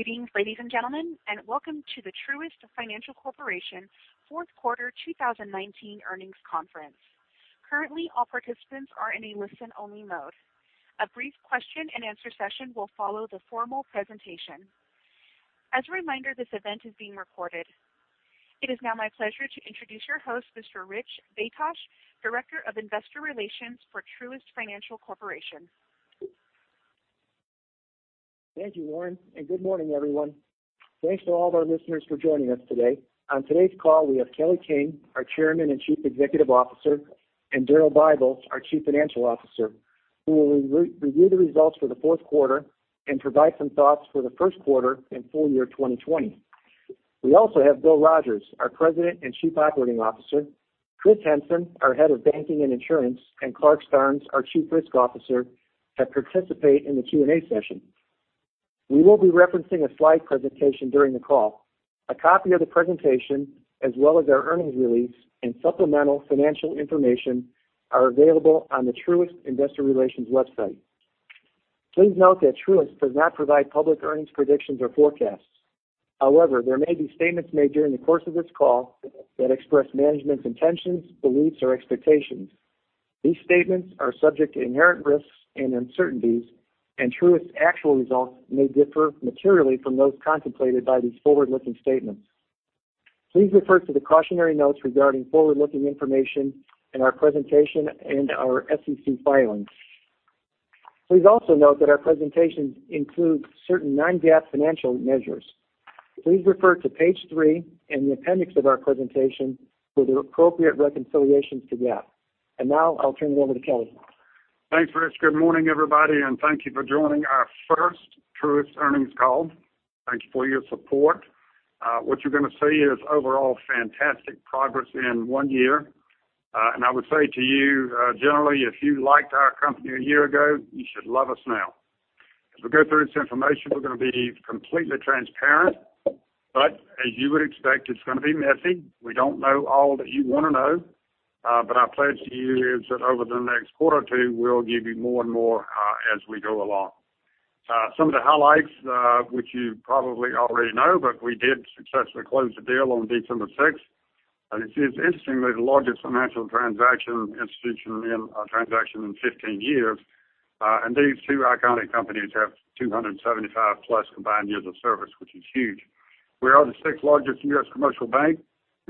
Greetings, ladies and gentlemen, and welcome to the Truist Financial Corporation fourth quarter 2019 earnings conference. Currently, all participants are in a listen-only mode. A brief question and answer session will follow the formal presentation. As a reminder, this event is being recorded. It is now my pleasure to introduce your host, Mr. Richard Baytosh, Director of Investor Relations for Truist Financial Corporation. Thank you, Lauren. Good morning, everyone. Thanks to all of our listeners for joining us today. On today's call, we have Kelly King, our Chairman and Chief Executive Officer, and Daryl Bible, our Chief Financial Officer, who will review the results for the fourth quarter and provide some thoughts for the first quarter and full year 2020. We also have Bill Rogers, our President and Chief Operating Officer, Christopher Henson, our head of banking and insurance, and Clarke R. Starnes III, our Chief Risk Officer, to participate in the Q&A session. We will be referencing a slide presentation during the call. A copy of the presentation, as well as our earnings release and supplemental financial information, are available on the Truist investor relations website. Please note that Truist does not provide public earnings predictions or forecasts. However, there may be statements made during the course of this call that express management's intentions, beliefs, or expectations. These statements are subject to inherent risks and uncertainties, and Truist's actual results may differ materially from those contemplated by these forward-looking statements. Please refer to the cautionary notes regarding forward-looking information in our presentation and our SEC filings. Please also note that our presentations include certain non-GAAP financial measures. Please refer to page three in the appendix of our presentation for the appropriate reconciliations to GAAP. Now I'll turn it over to Kelly. Thanks, Rich. Good morning, everybody, thank you for joining our first Truist Financial Corporation earnings call. Thanks for your support. What you're going to see is overall fantastic progress in one year. I would say to you, generally, if you liked our company a year ago, you should love us now. As we go through this information, we're going to be completely transparent, but as you would expect, it's going to be messy. We don't know all that you want to know. Our pledge to you is that over the next quarter or two, we'll give you more and more as we go along. Some of the highlights, which you probably already know, but we did successfully close the deal on December sixth. It is interestingly the largest financial transaction in institution transactions in 15 years. These two iconic companies have 275+ combined years of service, which is huge. We are the sixth largest U.S. commercial bank.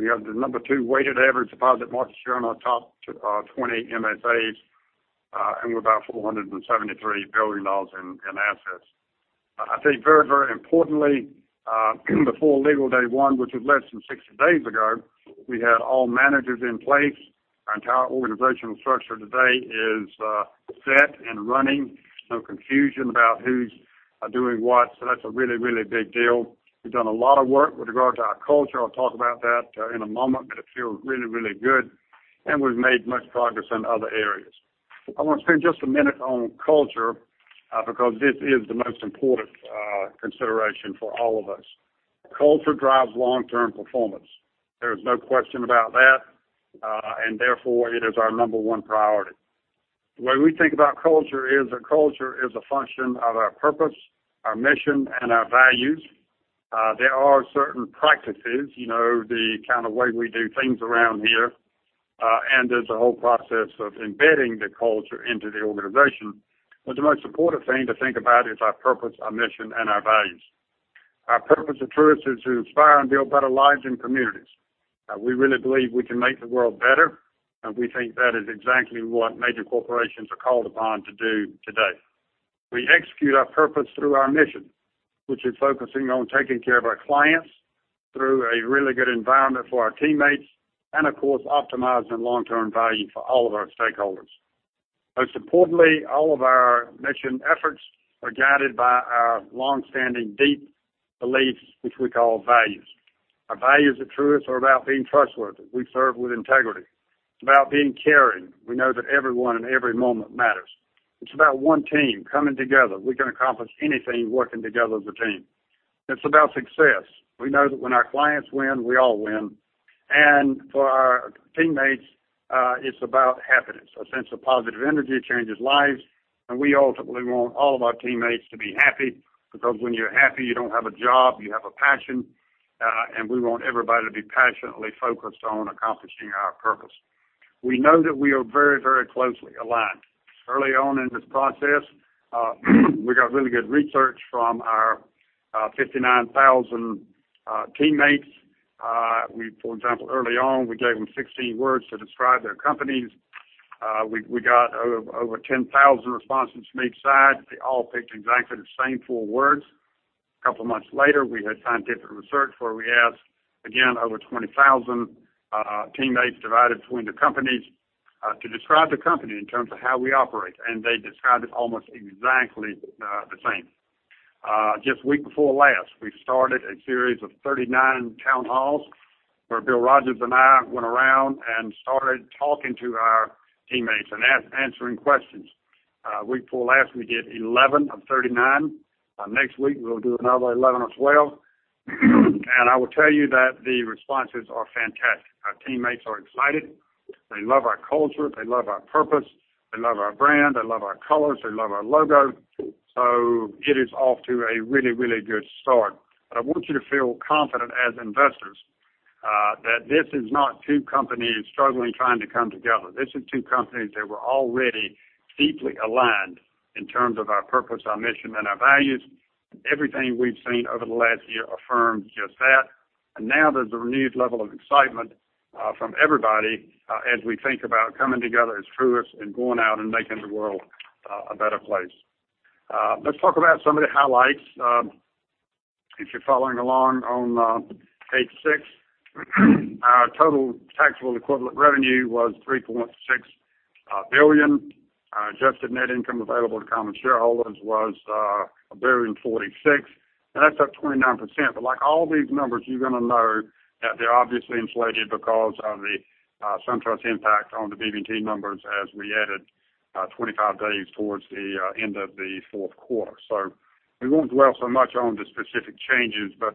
We have the number two weighted average deposit market share on our top 20 MSAs, and we're about $473 billion in assets. I think very importantly, before legal day one, which was less than 60 days ago, we had all managers in place. Our entire organizational structure today is set and running. No confusion about who's doing what. That's a really big deal. We've done a lot of work with regard to our culture. I'll talk about that in a moment, but it feels really good. We've made much progress in other areas. I want to spend just a minute on culture, because this is the most important consideration for all of us. Culture drives long-term performance. There's no question about that. Therefore, it is our number one priority. The way we think about culture is that culture is a function of our purpose, our mission, and our values. There are certain practices, the kind of way we do things around here. There's a whole process of embedding the culture into the organization. The most important thing to think about is our purpose, our mission, and our values. Our purpose at Truist Financial Corporation is to inspire and build better lives and communities. We really believe we can make the world better, and we think that is exactly what major corporations are called upon to do today. We execute our purpose through our mission, which is focusing on taking care of our clients through a really good environment for our teammates, and of course, optimizing long-term value for all of our stakeholders. Most importantly, all of our mission efforts are guided by our long-standing deep beliefs, which we call values. Our values at Truist Financial Corporation are about being trustworthy. We serve with integrity. It's about being caring. We know that everyone and every moment matters. It's about one team coming together. We can accomplish anything working together as a team. It's about success. We know that when our clients win, we all win. For our teammates, it's about happiness. A sense of positive energy changes lives, and we ultimately want all of our teammates to be happy, because when you're happy, you don't have a job, you have a passion, and we want everybody to be passionately focused on accomplishing our purpose. We know that we are very closely aligned. Early on in this process, we got really good research from our 59,000 teammates. For example, early on, we gave them 16 words to describe their companies. We got over 10,000 responses from each side. They all picked exactly the same four words. A couple of months later, we had scientific research where we asked again over 20,000 teammates divided between the companies to describe the company in terms of how we operate, and they described it almost exactly the same. Just week before last, we started a series of 39 town halls where Bill Rogers and I went around and started talking to our teammates and answering questions. Week before last, we did 11 of 39. Next week, we'll do another 11 or 12. I will tell you that the responses are fantastic. Our teammates are excited. They love our culture, they love our purpose, they love our brand, they love our colors, they love our logo. It is off to a really, really good start. I want you to feel confident as investors that this is not two companies struggling, trying to come together. This is two companies that were already deeply aligned in terms of our purpose, our mission, and our values. Everything we've seen over the last year affirms just that. Now there's a renewed level of excitement from everybody as we think about coming together as Truist Financial Corporation and going out and making the world a better place. Let's talk about some of the highlights. If you're following along on page six, our total taxable equivalent revenue was $3.6 billion. Adjusted net income available to common shareholders was $1.46 billion. That's up 29%. Like all these numbers, you're going to know that they're obviously inflated because of the SunTrust impact on the BB&T numbers as we added 25 days towards the end of the fourth quarter. We won't dwell so much on the specific changes, but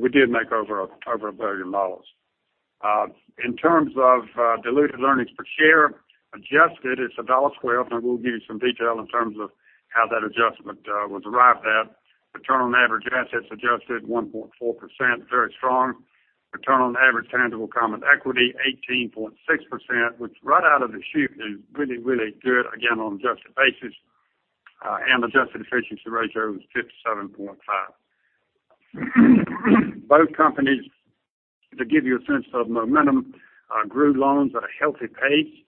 we did make over $1 billion. In terms of diluted earnings per share, adjusted, it's $1.12. We'll give you some detail in terms of how that adjustment was arrived at. Return on average assets adjusted 1.4%, very strong. Return on average tangible common equity, 18.6%, which right out of the chute is really good, again, on an adjusted basis. Adjusted efficiency ratio was 57.5%. Both companies, to give you a sense of momentum, grew loans at a healthy pace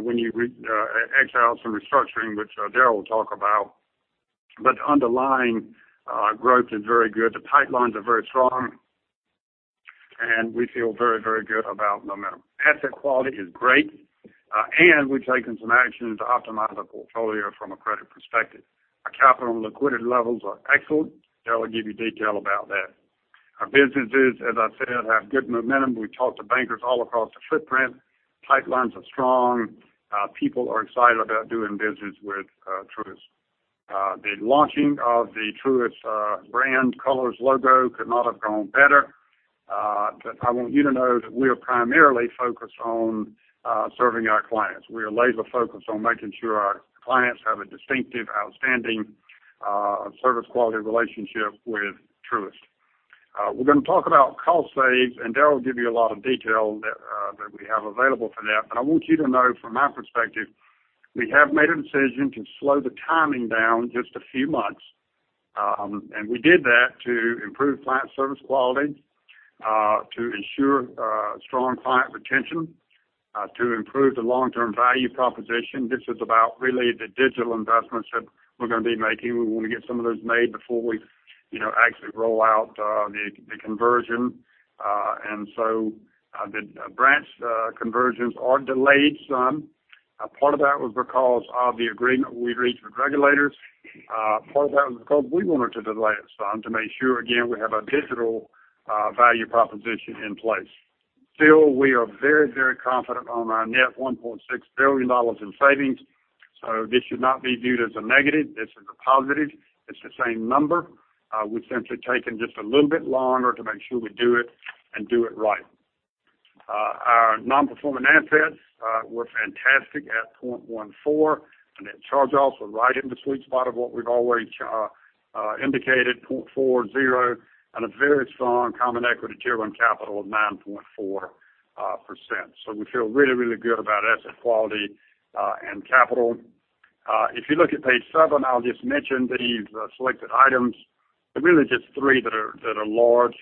when you exclude some restructuring, which Daryl will talk about. Underlying growth is very good. The pipelines are very strong, and we feel very, very good about momentum. Asset quality is great. We've taken some action to optimize our portfolio from a credit perspective. Our capital and liquidity levels are excellent. Daryl will give you detail about that. Our businesses, as I said, have good momentum. We talked to bankers all across the footprint. Pipelines are strong. People are excited about doing business with Truist Financial Corporation. The launching of the Truist brand, colors, logo could not have gone better. I want you to know that we are primarily focused on serving our clients. We are laser focused on making sure our clients have a distinctive, outstanding service quality relationship with Truist. We're going to talk about cost saves, and Daryl will give you a lot of detail that we have available for that. I want you to know from my perspective, we have made a decision to slow the timing down just a few months. We did that to improve client service quality, to ensure strong client retention, to improve the long-term value proposition. This is about really the digital investments that we're going to be making. We want to get some of those made before we actually roll out the conversion. The branch conversions are delayed some. Part of that was because of the agreement we reached with regulators. Part of that was because we wanted to delay it some to make sure, again, we have a digital value proposition in place. Still, we are very, very confident on our net $1.6 billion in savings, so this should not be viewed as a negative. This is a positive. It's the same number. We've simply taken just a little bit longer to make sure we do it and do it right. Our non-performing assets were fantastic at 0.14, and net charge-offs were right in the sweet spot of what we've always indicated, 0.40, on a very strong common equity tier one capital of 9.4%. We feel really, really good about asset quality and capital. If you look at page seven, I'll just mention these selected items. They're really just three that are large.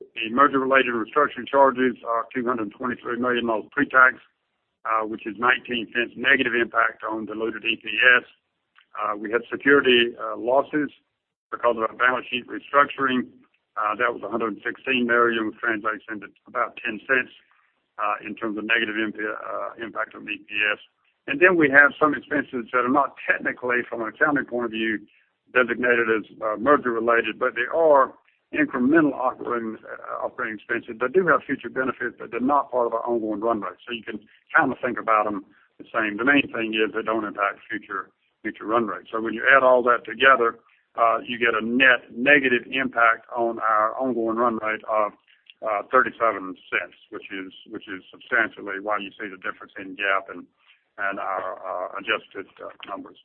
The merger-related restructuring charges are $223 million pre-tax, which is $0.19 negative impact on diluted EPS. We had security losses because of our balance sheet restructuring. That was $116 million, which translates into about $0.10 in terms of negative impact on EPS. We have some expenses that are not technically, from an accounting point of view, designated as merger-related, but they are incremental operating expenses that do have future benefits, but they're not part of our ongoing run rate. You can kind of think about them the same. The main thing is they don't impact future run rate. When you add all that together, you get a net negative impact on our ongoing run rate of $0.37, which is substantially why you see the difference in GAAP and our adjusted numbers.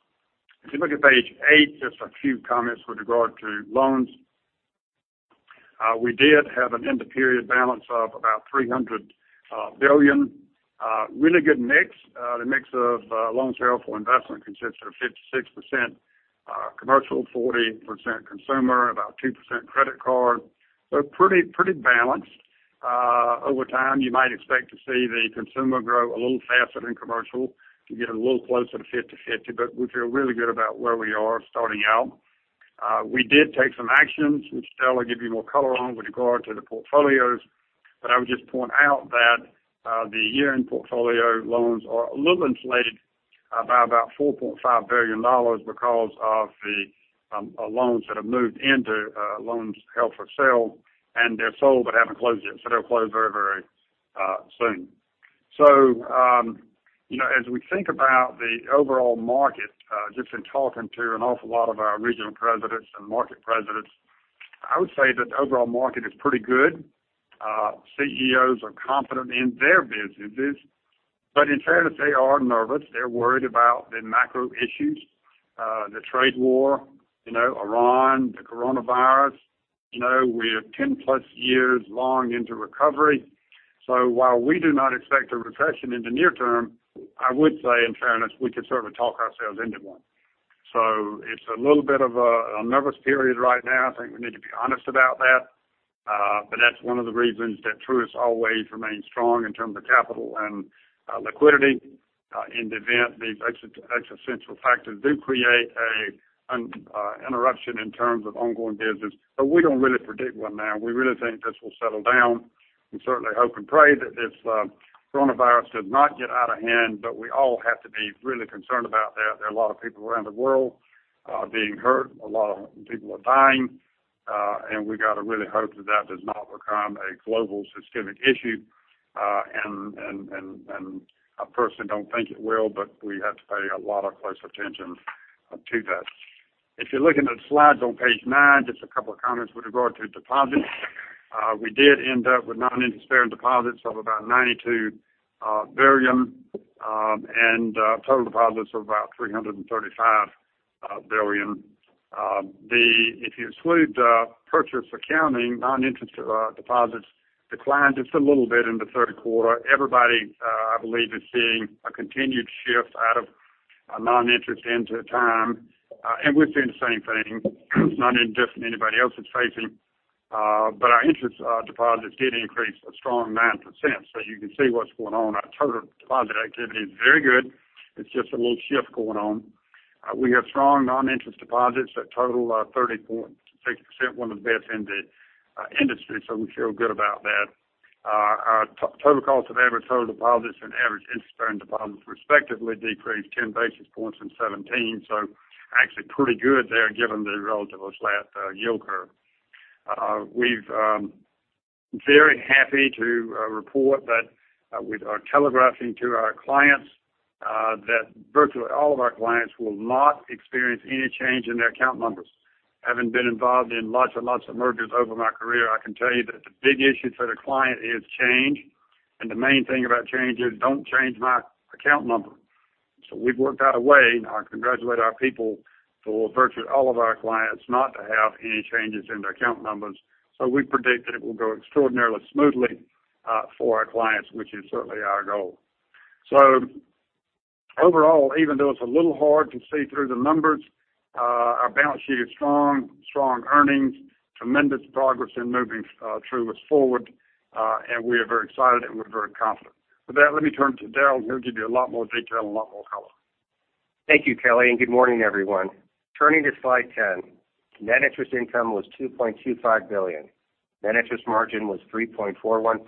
If you look at page eight, just a few comments with regard to loans. We did have an end-of-period balance of about $300 billion. Really good mix. The mix of loans held for investment consists of 56% commercial, 40% consumer, about 2% credit card. Pretty balanced. Over time, you might expect to see the consumer grow a little faster than commercial to get a little closer to 50/50, but we feel really good about where we are starting out. We did take some actions, which Daryl will give you more color on with regard to the portfolios. I would just point out that the year-end portfolio loans are a little inflated by about $4.5 billion because of the loans that have moved into loans held for sale, and they're sold but haven't closed yet. They'll close very soon. As we think about the overall market, just in talking to an awful lot of our regional presidents and market presidents, I would say that the overall market is pretty good. CEOs are confident in their businesses, but in fairness, they are nervous. They're worried about the macro issues, the trade war, Iran, the coronavirus. We are 10+ years long into recovery. While we do not expect a recession in the near term, I would say, in fairness, we could sort of talk ourselves into one. It's a little bit of a nervous period right now. I think we need to be honest about that. That's one of the reasons that Truist Financial Corporation always remains strong in terms of capital and liquidity. In the event these existential factors do create an interruption in terms of ongoing business. We don't really predict one now. We really think this will settle down. We certainly hope and pray that this coronavirus does not get out of hand, but we all have to be really concerned about that. There are a lot of people around the world being hurt. A lot of people are dying. We got to really hope that does not become a global systemic issue. I personally don't think it will, but we have to pay a lot of close attention to that. If you're looking at the slides on page nine, just a couple of comments with regard to deposits. We did end up with non-interest bearing deposits of about $92 billion and total deposits of about $335 billion. If you exclude purchase accounting, non-interest deposits declined just a little bit in the third quarter. Everybody, I believe is seeing a continued shift out of non-interest into time, and we've seen the same thing. It's not any different than anybody else is facing. Our interest deposits did increase a strong 9%, so you can see what's going on. Our total deposit activity is very good. It's just a little shift going on. We have strong non-interest deposits that total 30.6%, one of the best in the industry. We feel good about that. Our total cost of average total deposits and average interest-bearing deposits respectively decreased 10 basis points from 17. Actually pretty good there, given the relatively flat yield curve. We're very happy to report that we are telegraphing to our clients that virtually all of our clients will not experience any change in their account numbers. Having been involved in lots and lots of mergers over my career, I can tell you that the big issue for the client is change. The main thing about change is, "Don't change my account number." We've worked out a way, and I congratulate our people for virtually all of our clients not to have any changes in their account numbers. We predict that it will go extraordinarily smoothly for our clients, which is certainly our goal. Overall, even though it's a little hard to see through the numbers, our balance sheet is strong. Strong earnings, tremendous progress in moving Truist Financial Corporation forward. We are very excited, and we're very confident. With that, let me turn to Daryl, who'll give you a lot more detail and a lot more color. Thank you, Kelly, and good morning, everyone. Turning to slide 10. Net interest income was $2.25 billion. Net interest margin was 3.41%,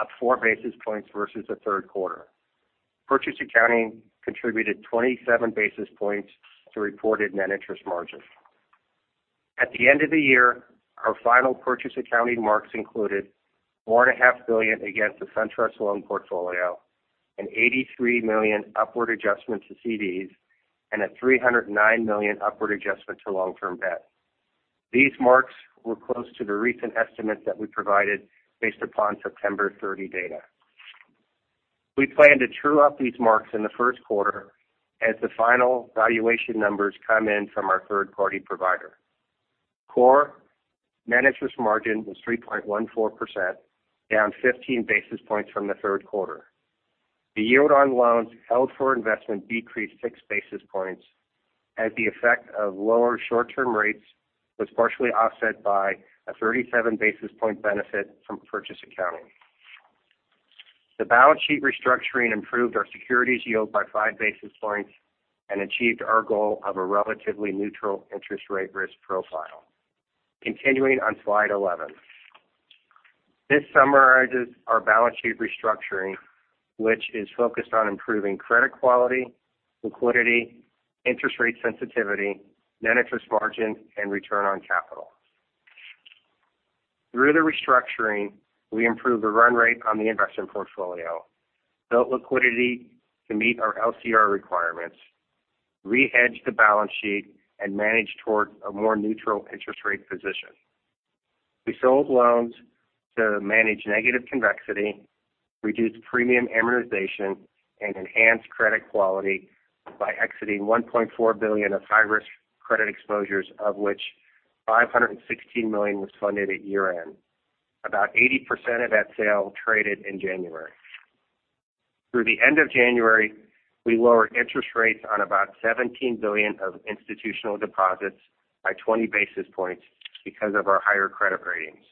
up four basis points versus the third quarter. Purchase accounting contributed 27 basis points to reported net interest margin. At the end of the year, our final purchase accounting marks included $4.5 billion against the SunTrust loan portfolio, an $83 million upward adjustment to CDs, and a $309 million upward adjustment to long-term debt. These marks were close to the recent estimates that we provided based upon September 30 data. We plan to true up these marks in the first quarter as the final valuation numbers come in from our third-party provider. Core net interest margin was 3.14%, down 15 basis points from the third quarter. The yield on loans held for investment decreased six basis points, as the effect of lower short-term rates was partially offset by a 37 basis point benefit from purchase accounting. The balance sheet restructuring improved our securities yield by five basis points and achieved our goal of a relatively neutral interest rate risk profile. Continuing on slide 11. This summarizes our balance sheet restructuring, which is focused on improving credit quality, liquidity, interest rate sensitivity, net interest margin, and return on capital. Through the restructuring, we improved the run rate on the investment portfolio, built liquidity to meet our LCR requirements, re-hedged the balance sheet, and managed towards a more neutral interest rate position. We sold loans to manage negative convexity, reduced premium amortization, and enhanced credit quality by exiting $1.4 billion of high-risk credit exposures, of which $516 million was funded at year-end. About 80% of that sale traded in January. Through the end of January, we lowered interest rates on about $17 billion of institutional deposits by 20 basis points because of our higher credit ratings.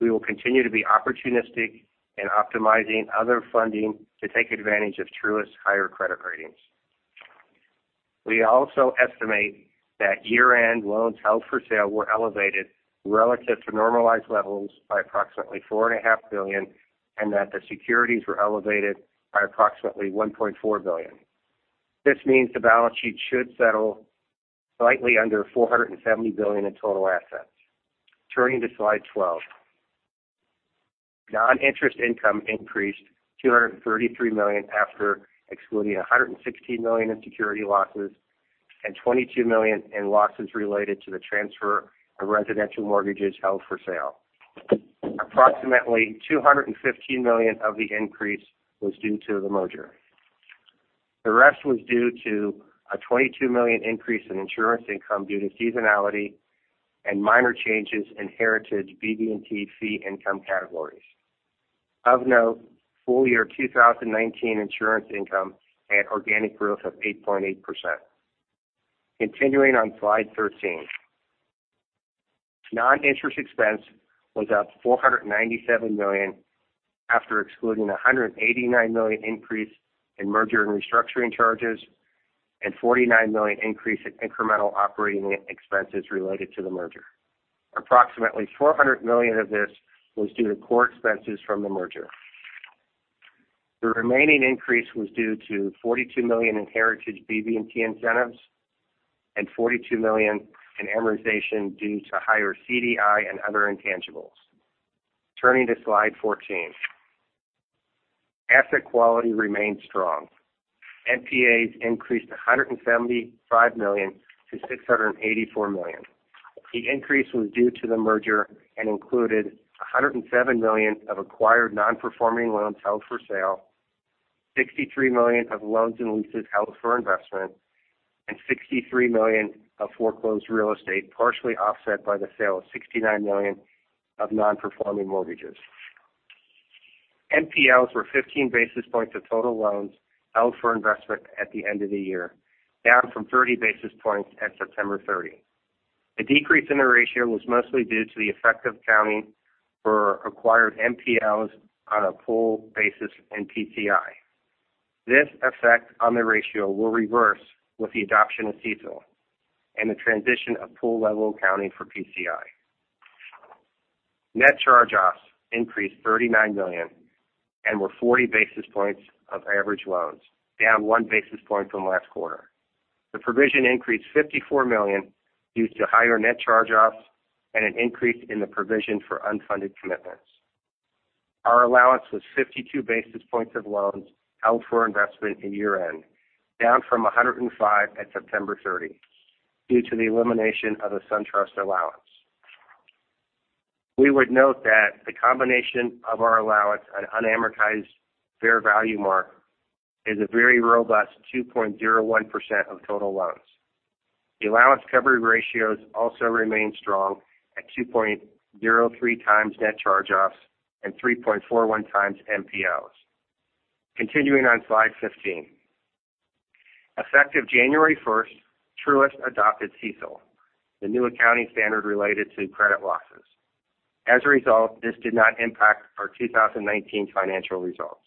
We will continue to be opportunistic in optimizing other funding to take advantage of Truist's higher credit ratings. We also estimate that year-end loans held for sale were elevated relative to normalized levels by approximately $4.5 billion and that the securities were elevated by approximately $1.4 billion. This means the balance sheet should settle slightly under $470 billion in total assets. Turning to slide 12. Non-interest income increased to $233 million after excluding $116 million in security losses and $22 million in losses related to the transfer of residential mortgages held for sale. Approximately $215 million of the increase was due to the merger. The rest was due to a $22 million increase in insurance income due to seasonality and minor changes in heritage BB&T fee income categories. Of note, full year 2019 insurance income had organic growth of 8.8%. Continuing on slide 13. Non-interest expense was up $497 million after excluding $189 million increase in merger and restructuring charges and $49 million increase in incremental operating expenses related to the merger. Approximately $400 million of this was due to core expenses from the merger. The remaining increase was due to $42 million in heritage BB&T incentives and $42 million in amortization due to higher CDI and other intangibles. Turning to slide 14. Asset quality remained strong. NPAs increased $175 million to $684 million. The increase was due to the merger and included $107 million of acquired non-performing loans held for sale, $63 million of loans and leases held for investment, and $63 million of foreclosed real estate, partially offset by the sale of $69 million of non-performing mortgages. NPLs were 15 basis points of total loans held for investment at the end of the year, down from 30 basis points at September 30. The decrease in the ratio was mostly due to the effect of accounting for acquired NPLs on a pool basis in PCI. This effect on the ratio will reverse with the adoption of CECL and the transition of pool level accounting for PCI. Net charge-offs increased $39 million and were 40 basis points of average loans, down one basis point from last quarter. The provision increased $54 million due to higher net charge-offs and an increase in the provision for unfunded commitments. Our allowance was 52 basis points of loans held for investment in year-end, down from 105 at September 30, due to the elimination of a SunTrust allowance. We would note that the combination of our allowance on unamortized fair value mark is a very robust 2.01% of total loans. The allowance coverage ratios also remain strong at 2.03x net charge-offs and 3.41x NPLs. Continuing on slide 15. Effective January 1st, Truist adopted CECL, the new accounting standard related to credit losses. As a result, this did not impact our 2019 financial results.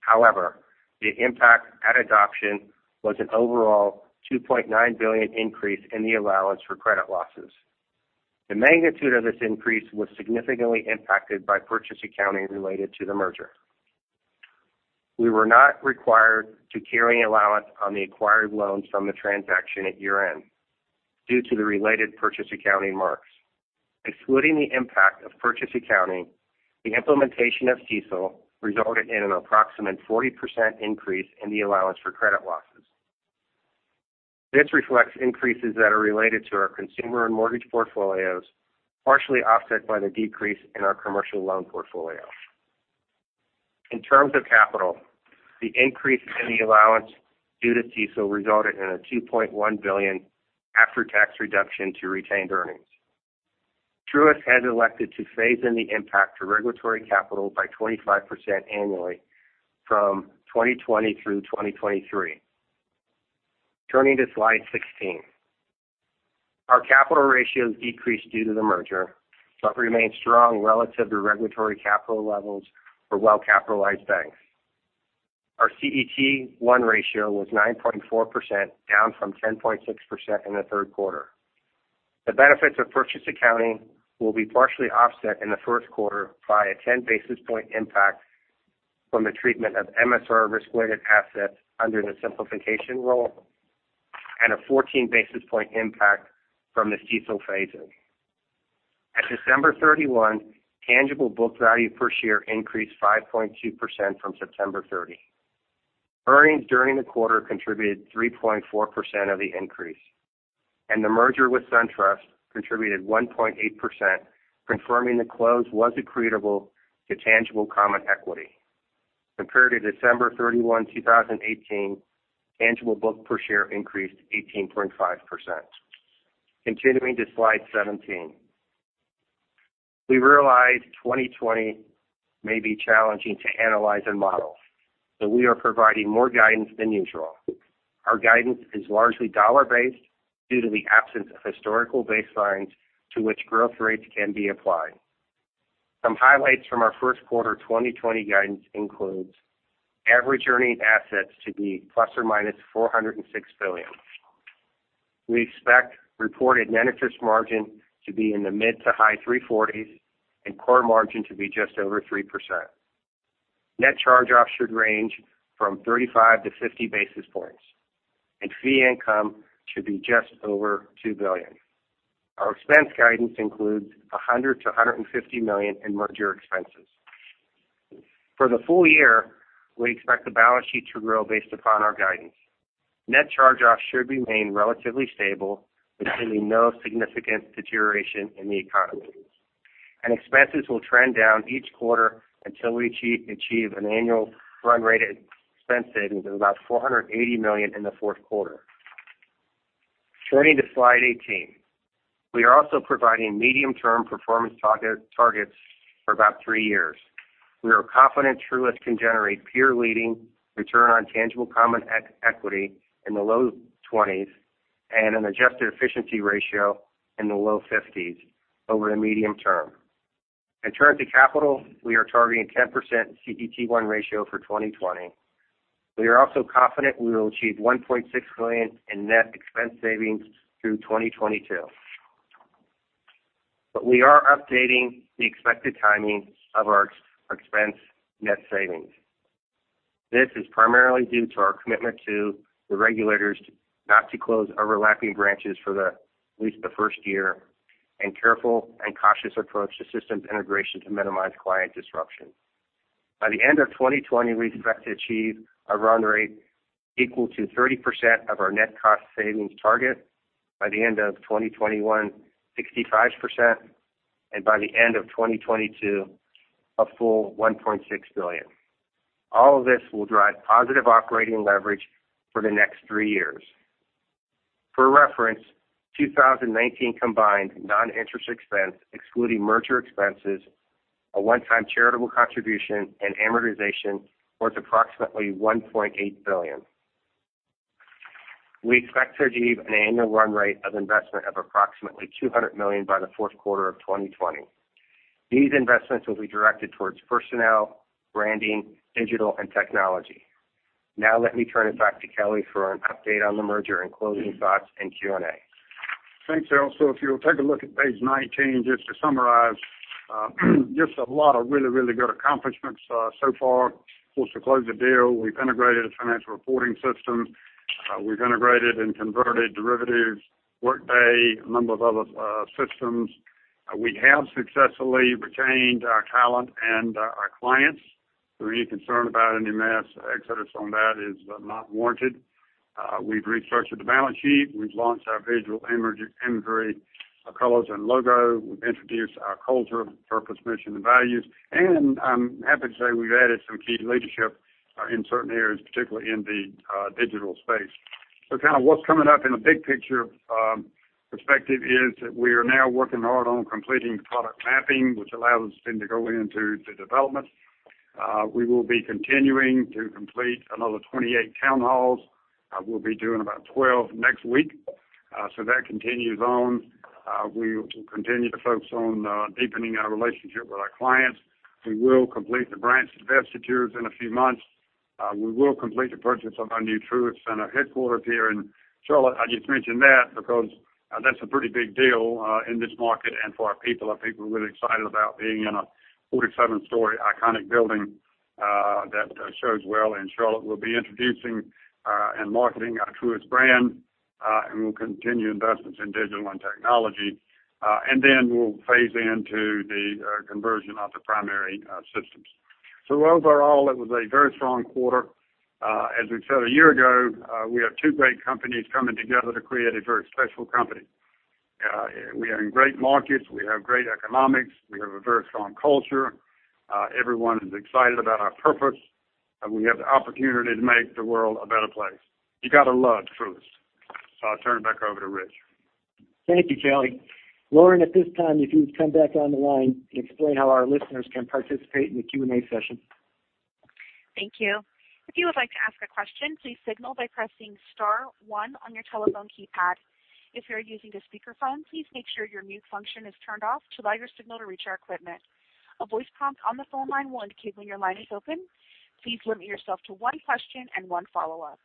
However, the impact at adoption was an overall $2.9 billion increase in the allowance for credit losses. The magnitude of this increase was significantly impacted by purchase accounting related to the merger. We were not required to carry an allowance on the acquired loans from the transaction at year-end due to the related purchase accounting marks. Excluding the impact of purchase accounting, the implementation of CECL resulted in an approximate 40% increase in the allowance for credit losses. This reflects increases that are related to our consumer and mortgage portfolios, partially offset by the decrease in our commercial loan portfolio. In terms of capital, the increase in the allowance due to CECL resulted in a $2.1 billion after-tax reduction to retained earnings. Truist Financial Corporation has elected to phase in the impact to regulatory capital by 25% annually from 2020 through 2023. Turning to slide 16. Our capital ratios decreased due to the merger, but remained strong relative to regulatory capital levels for well-capitalized banks. Our CET1 ratio was 9.4%, down from 10.6% in the third quarter. The benefits of purchase accounting will be partially offset in the first quarter by a 10 basis point impact from the treatment of MSR risk-weighted assets under the simplification rule and a 14 basis point impact from the CECL phase-in. At December 31, tangible book value per share increased 5.2% from September 30. Earnings during the quarter contributed 3.4% of the increase, and the merger with SunTrust contributed 1.8%, confirming the close was accretive to tangible common equity. Compared to December 31, 2018, tangible book per share increased 18.5%. Continuing to slide 17. We realize 2020 may be challenging to analyze and model, so we are providing more guidance than usual. Our guidance is largely dollar based due to the absence of historical baselines to which growth rates can be applied. Some highlights from our first quarter 2020 guidance includes average earning assets to be ±$406 billion. We expect reported net interest margin to be in the mid to high 340s and core margin to be just over 3%. Net charge-offs should range from 35-50 basis points, and fee income should be just over $2 billion. Our expense guidance includes $100 million-$150 million in merger expenses. For the full year, we expect the balance sheet to grow based upon our guidance. Net charge-offs should remain relatively stable, assuming no significant deterioration in the economy. Expenses will trend down each quarter until we achieve an annual run rate expense savings of about $480 million in the fourth quarter. Turning to slide 18. We are also providing medium-term performance targets for about three years. We are confident Truist Financial Corporation can generate peer-leading return on tangible common equity in the low 20s and an adjusted efficiency ratio in the low 50s over the medium term. In terms of capital, we are targeting 10% CET1 ratio for 2020. We are also confident we will achieve $1.6 billion in net expense savings through 2022. We are updating the expected timing of our expense net savings. This is primarily due to our commitment to the regulators not to close overlapping branches for at least the first year, and careful and cautious approach to systems integration to minimize client disruption. By the end of 2020, we expect to achieve a run rate equal to 30% of our net cost savings target. By the end of 2021, 65%, and by the end of 2022, a full $1.6 billion. All of this will drive positive operating leverage for the next three years. For reference, 2019 combined non-interest expense, excluding merger charges, a one-time charitable contribution, and amortization, was approximately $1.8 billion. We expect to achieve an annual run rate of investment of approximately $200 million by the fourth quarter of 2020. These investments will be directed towards personnel, branding, digital, and technology. Now let me turn it back to Kelly for an update on the merger and closing thoughts and Q&A. Thanks, Daryl. If you'll take a look at page 19, just to summarize, a lot of really good accomplishments so far. Of course, we closed the deal. We've integrated the financial reporting systems. We've integrated and converted derivatives, Workday, a number of other systems. We have successfully retained our talent and our clients. Any concern about any mass exodus on that is not warranted. We've resurfaced the balance sheet. We've launched our visual imagery, colors, and logo. We've introduced our culture, purpose, mission, and values. I'm happy to say we've added some key leadership in certain areas, particularly in the digital space. Kind of what's coming up in a big picture perspective is that we are now working hard on completing product mapping, which allows us then to go into development. We will be continuing to complete another 28 town halls. We'll be doing about 12 next week. That continues on. We will continue to focus on deepening our relationship with our clients. We will complete the branch divestitures in a few months. We will complete the purchase of our new Truist Center headquarters here in Charlotte. I just mentioned that because that's a pretty big deal in this market and for our people. Our people are really excited about being in a 47-story iconic building that shows well in Charlotte. We'll be introducing and marketing our Truist Financial Corporation brand, and we'll continue investments in digital and technology. We'll phase into the conversion of the primary systems. Overall, it was a very strong quarter. As we said a year ago, we have two great companies coming together to create a very special company. We are in great markets. We have great economics. We have a very strong culture. Everyone is excited about our purpose, and we have the opportunity to make the world a better place. You got to love Truist Financial Corporation. I'll turn it back over to Rich. Thank you, Kelly. Lauren, at this time, if you would come back on the line and explain how our listeners can participate in the Q&A session. Thank you. If you would like to ask a question, please signal by pressing star one on your telephone keypad. If you are using the speakerphone, please make sure your mute function is turned off to allow your signal to reach our equipment. A voice prompt on the phone line will indicate when your line is open. Please limit yourself to one question and one follow-up.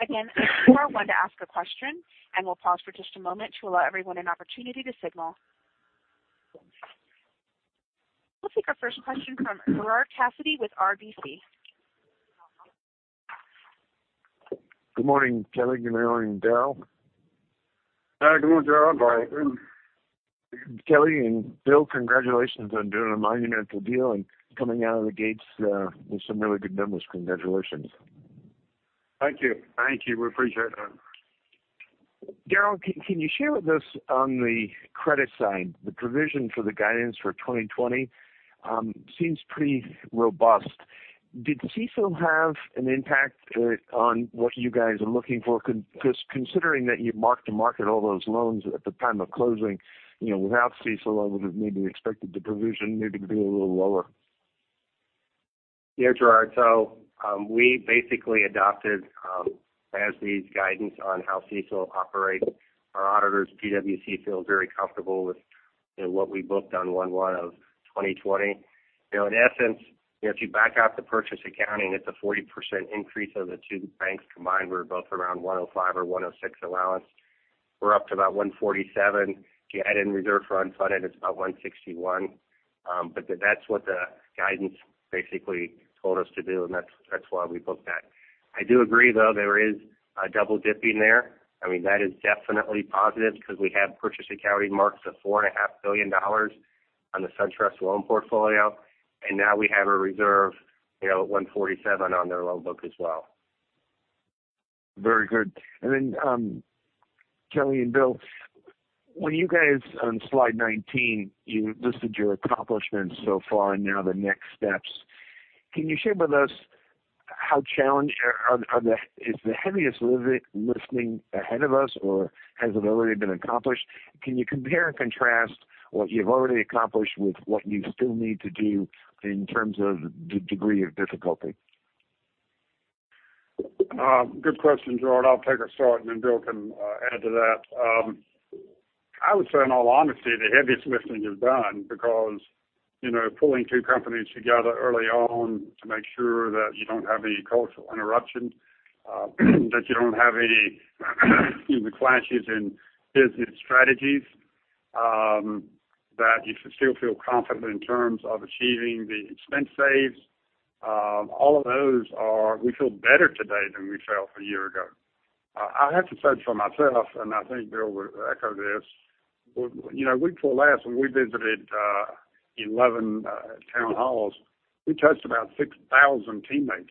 Again, it's star one to ask a question, and we'll pause for just a moment to allow everyone an opportunity to signal. We'll take our first question from Gerard Cassidy with RBC Capital Markets. Good morning, Kelly. Good morning, Daryl. Good morning, Gerard. Kelly and Bill, Congratulations on doing a monumental deal and coming out of the gates with some really good numbers. Congratulations. Thank you. Thank you. We appreciate that. Daryl, can you share with us on the credit side, the provision for the guidance for 2020 seems pretty robust. Did CECL have an impact on what you guys are looking for? Because considering that you mark-to-market all those loans at the time of closing, without CECL, I would have maybe expected the provision maybe to be a little lower. Gerard. We basically adopted as the guidance on how CECL operates. Our auditors, PwC, feel very comfortable with what we booked on 1/1/2020. In essence, if you back out the purchase accounting, it's a 40% increase of the two banks combined were both around 105 or 106 allowance. We're up to about 147. If you add in reserve for unfunded, it's about 161. That's what the guidance basically told us to do, and that's why we booked that. I do agree, though, there is a double-dipping there. That is definitely positive because we have purchase accounting marks of $4.5 billion on the SunTrust loan portfolio. Now we have a reserve at 147 on their loan book as well. Very good. Kelly and Bill, when you guys, on slide 19, you listed your accomplishments so far and now the next steps. Can you share with us, is the heaviest lifting ahead of us, or has it already been accomplished? Can you compare and contrast what you've already accomplished with what you still need to do in terms of the degree of difficulty? Good question, Gerard. I'll take a start and then Bill can add to that. I would say in all honesty, the heaviest lifting is done because pulling two companies together early on to make sure that you don't have any cultural interruptions, that you don't have any clashes in business strategies, that you still feel confident in terms of achieving the expense saves. All of those are, we feel better today than we felt a year ago. I have to say for myself, I think Bill would echo this. A week before last, when we visited 11 town halls, we touched about 6,000 teammates.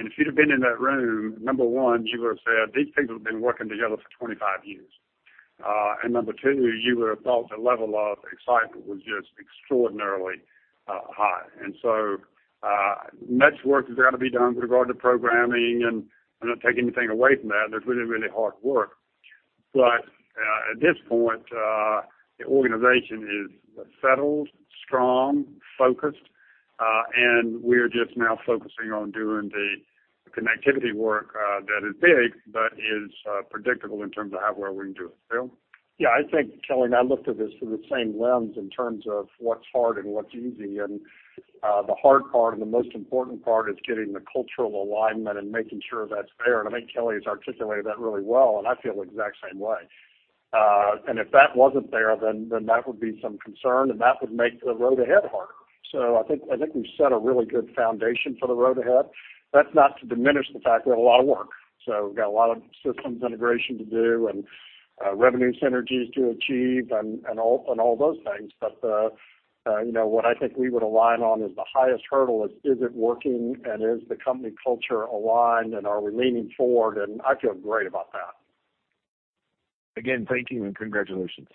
If you'd have been in that room, number one, you would have said, "These people have been working together for 25 years." Number two, you would have thought the level of excitement was just extraordinarily high. So much work is going to be done with regard to programming, and I'm not taking anything away from that. That's really hard work. At this point, the organization is settled, strong, focused. We're just now focusing on doing the connectivity work that is big, but is predictable in terms of how well we can do it. Bill? Yeah, I think, Kelly and I looked at this through the same lens in terms of what's hard and what's easy. The hard part and the most important part is getting the cultural alignment and making sure that's there. I think Kelly has articulated that really well, and I feel the exact same way. If that wasn't there, then that would be some concern and that would make the road ahead harder. I think we've set a really good foundation for the road ahead. That's not to diminish the fact we have a lot of work. We've got a lot of systems integration to do and revenue synergies to achieve and all those things. What I think we would align on is the highest hurdle is it working and is the company culture aligned and are we leaning forward? I feel great about that. Again, thank you and congratulations.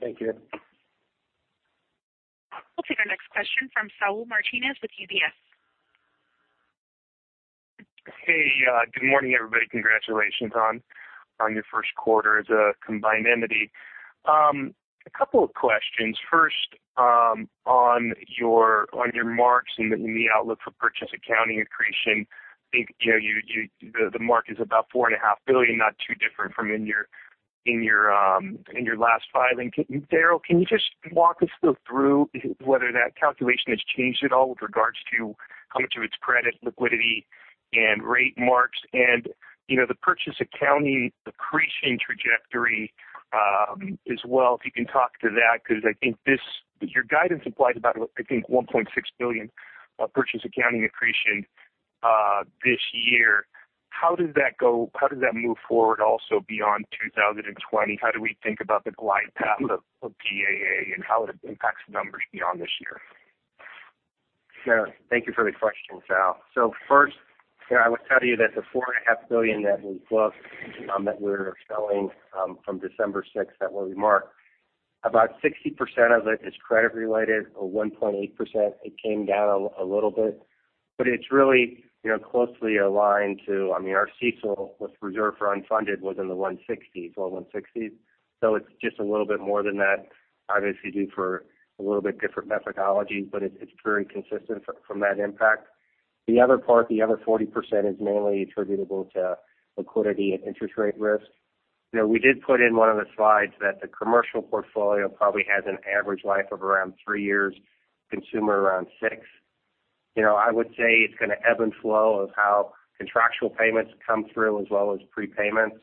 Thank you. We'll take our next question from Saul Martinez with UBS. Hey, good morning, everybody. Congratulations on your first quarter as a combined entity. A couple of questions. First, on your marks and the outlook for purchase accounting accretion. I think the mark is about $4.5 billion, not too different from in your last filing. Daryl, can you just walk us through whether that calculation has changed at all with regards to coming to its credit, liquidity, and rate marks? The purchase accounting accretion trajectory as well, if you can talk to that, because I think your guidance implies about, I think, $1.6 billion of purchase accounting accretion this year. How does that move forward also beyond 2020? How do we think about the glide path of PAA and how it impacts the numbers beyond this year? Sure. Thank you for the question, Saul. First, I would tell you that the $4.5 billion that we booked that we're selling from December 6th, that will be marked. About 60% of it is credit related or 1.8%. It came down a little bit, but it's really closely aligned to, our CECL with reserve for unfunded was in the 160s. It's just a little bit more than that, obviously due for a little bit different methodology, but it's very consistent from that impact. The other part, the other 40% is mainly attributable to liquidity and interest rate risk. We did put in one of the slides that the commercial portfolio probably has an average life of around three years, consumer around six. I would say it's going to ebb and flow of how contractual payments come through as well as prepayments.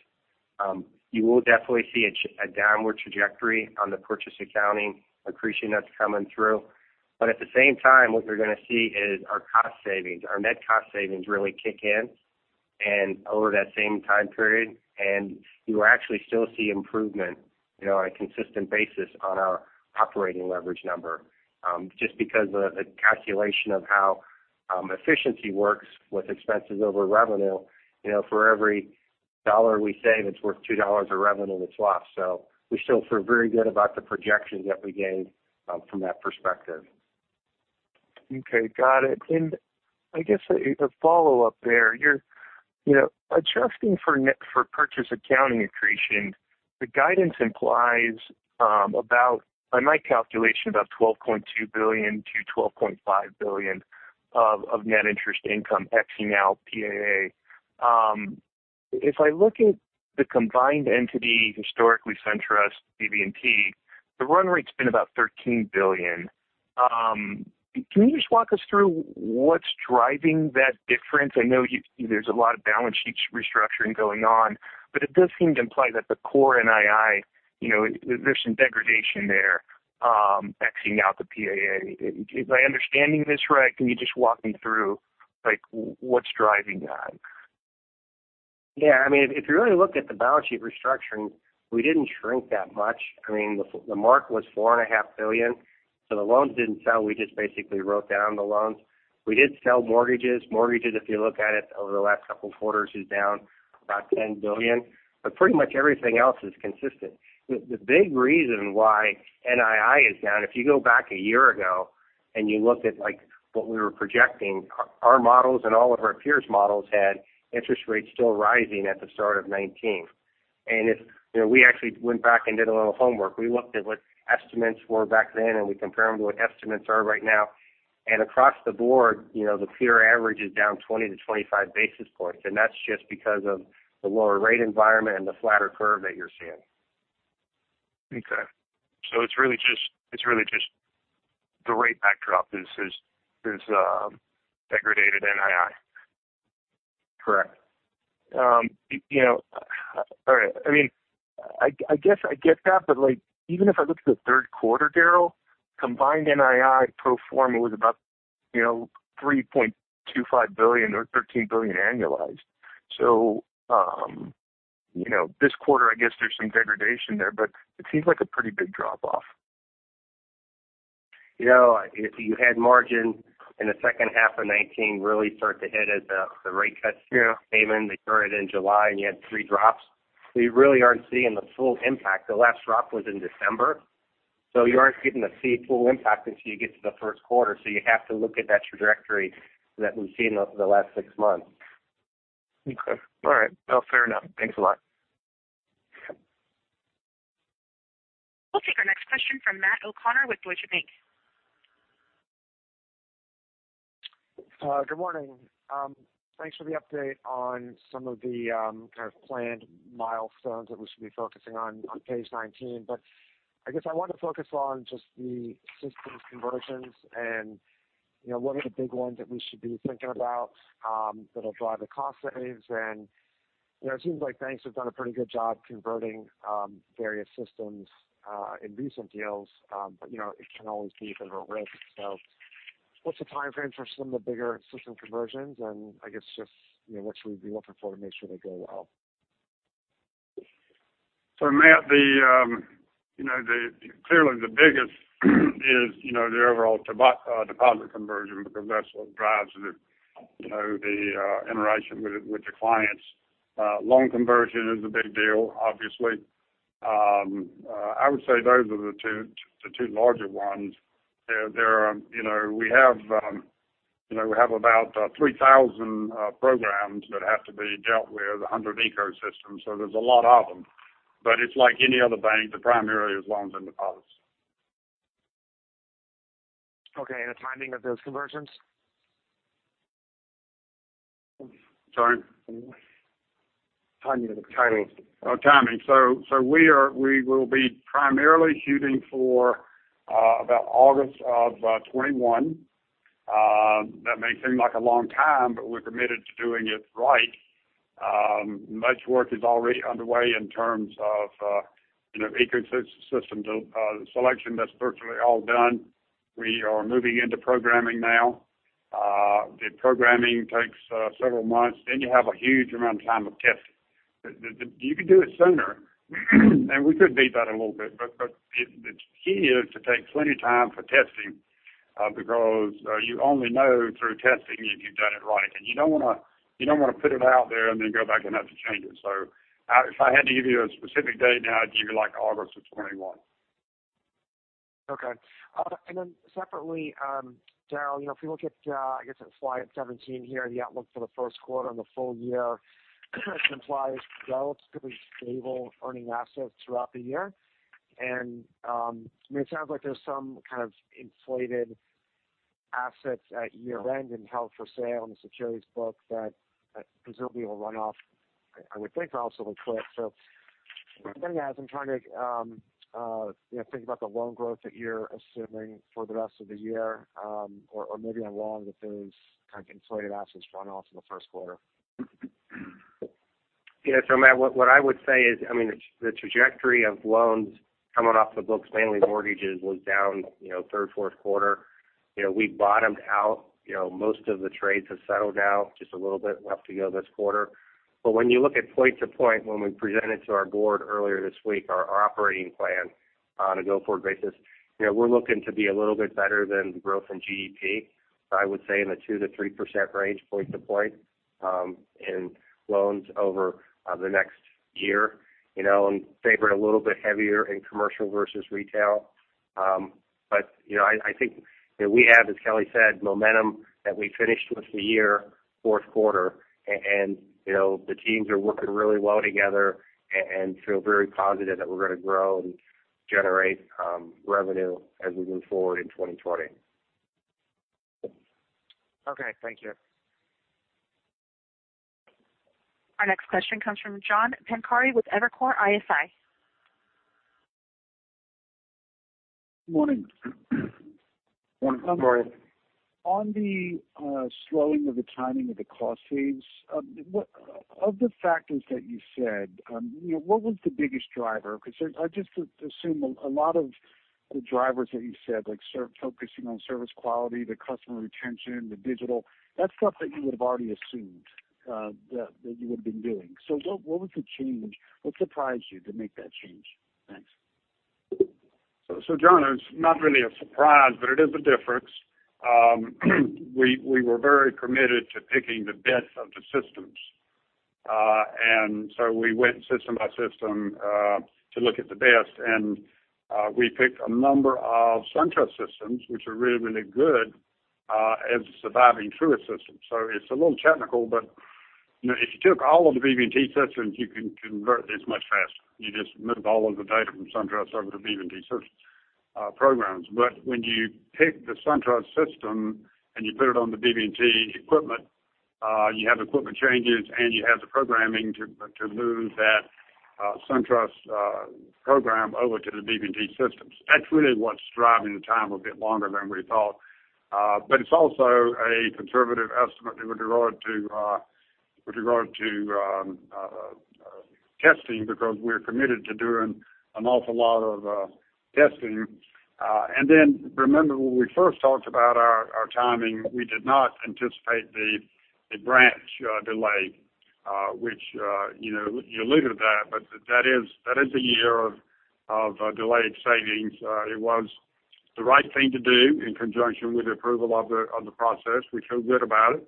You will definitely see a downward trajectory on the purchase accounting accretion that's coming through. At the same time, what you're going to see is our cost savings, our net cost savings really kick in and over that same time period. You will actually still see improvement on a consistent basis on our operating leverage number. Just because of the calculation of how efficiency works with expenses over revenue. For every dollar we save, it's worth $2 of revenue that's lost. We still feel very good about the projections that we gained from that perspective. Okay. Got it. I guess a follow-up there. Adjusting for purchase accounting accretion, the guidance implies about, by my calculation, about $12.2 billion-$12.5 billion of net interest income, exing out PAA. If I look at the combined entity, historically SunTrust, BB&T, the run rate's been about $13 billion. Can you just walk us through what's driving that difference? I know there's a lot of balance sheet restructuring going on, but it does seem to imply that the core NII, there's some degradation there, exing out the PAA. Am I understanding this right? Can you just walk me through what's driving that? Yeah. If you really look at the balance sheet restructuring, we didn't shrink that much. The mark was $4.5 billion. The loans didn't sell. We just basically wrote down the loans. We did sell mortgages. Mortgages, if you look at it over the last couple of quarters, is down about $10 billion. Pretty much everything else is consistent. The big reason why NII is down, if you go back a year ago and you look at what we were projecting, our models and all of our peers' models had interest rates still rising at the start of 2019. We actually went back and did a little homework. We looked at what estimates were back then, and we compare them to what estimates are right now. Across the board, the peer average is down 20-25 basis points, and that's just because of the lower rate environment and the flatter curve that you're seeing. Okay. It's really just the rate backdrop is degraded NII. Correct. All right. I guess I get that, but even if I look at the third quarter, Daryl, combined NII pro forma was about $3.25 billion or $13 billion annualized. This quarter, I guess there's some degradation there, but it seems like a pretty big drop-off. If you had margin in the second half of 2019 really start to hit as the rate cuts came in. They started in July, and you had three drops. You really aren't seeing the full impact. The last drop was in December. You aren't getting to see full impact until you get to the first quarter. You have to look at that trajectory that we've seen over the last six months. Okay. All right. Well, fair enough. Thanks a lot. We'll take our next question from Matthew O'Connor with Deutsche Bank. Good morning. Thanks for the update on some of the kind of planned milestones that we should be focusing on page 19. I guess I want to focus on just the systems conversions and what are the big ones that we should be thinking about that'll drive the cost savings. It seems like banks have done a pretty good job converting various systems in recent deals, but it can always be a bit of a risk. What's the timeframe for some of the bigger system conversions, and I guess just what should we be looking for to make sure they go well? Matt, clearly the biggest is the overall deposit conversion because that's what drives the interaction with the clients. Loan conversion is a big deal, obviously. I would say those are the two larger ones. We have about 3,000 programs that have to be dealt with, 100 ecosystems, so there's a lot of them. It's like any other bank. The primary is loans and deposits. Okay, the timing of those conversions? Sorry? Timing of the conversions. Oh, timing. We will be primarily shooting for about August of 2021. That may seem like a long time, but we're committed to doing it right. Much work is already underway in terms of ecosystem selection. That's virtually all done. We are moving into programming now. The programming takes several months. You have a huge amount of time of testing. You could do it sooner, and we could beat that a little bit. The key is to take plenty of time for testing because you only know through testing if you've done it right. You don't want to put it out there and then go back and have to change it. If I had to give you a specific date now, I'd give you August of 2021. Separately, Daryl, if you look at, I guess at slide 17 here, the outlook for the first quarter and the full year, it implies relatively stable earning assets throughout the year. It sounds like there's some kind of inflated assets at year-end in held for sale in the securities book that presumably will run off, I would think, also will flip. I'm trying to think about the loan growth that you're assuming for the rest of the year, or maybe along with those kind of inflated assets run off in the first quarter. Yeah. Matt, what I would say is, the trajectory of loans coming off the books, mainly mortgages, was down third, fourth quarter. We bottomed out. Most of the trades have settled now, just a little bit left to go this quarter. When you look at point to point, when we presented to our board earlier this week our operating plan on a go-forward basis, we're looking to be a little bit better than growth in GDP. I would say in the 2%-3% range point to point in loans over the next year. Favor a little bit heavier in commercial versus retail. I think we have, as Kelly said, momentum that we finished with the year fourth quarter, and the teams are working really well together and feel very positive that we're going to grow and generate revenue as we move forward in 2020. Okay. Thank you. Our next question comes from John Pancari with Evercore ISI. Morning. Morning. On the slowing of the timing of the cost saves, of the factors that you said, what was the biggest driver? I just assume a lot of the drivers that you said, like focusing on service quality, the customer retention, the digital, that's stuff that you would have already assumed that you had been doing. What was the change? What surprised you to make that change? Thanks. John, it's not really a surprise, but it is a difference. We were very committed to picking the best of the systems. We went system by system to look at the best. We picked a number of SunTrust systems, which are really good as surviving Truist systems. It's a little technical, but if you took all of the BB&T systems, you can convert this much faster. You just move all of the data from SunTrust over to BB&T systems programs. When you pick the SunTrust system and you put it on the BB&T equipment, you have equipment changes, and you have the programming to move that SunTrust program over to the BB&T systems. That's really what's driving the time a bit longer than we thought. It's also a conservative estimate with regard to testing because we're committed to doing an awful lot of testing. Remember when we first talked about our timing, we did not anticipate the branch delay which you alluded to that, but that is a year of delayed savings. It was the right thing to do in conjunction with the approval of the process. We feel good about it.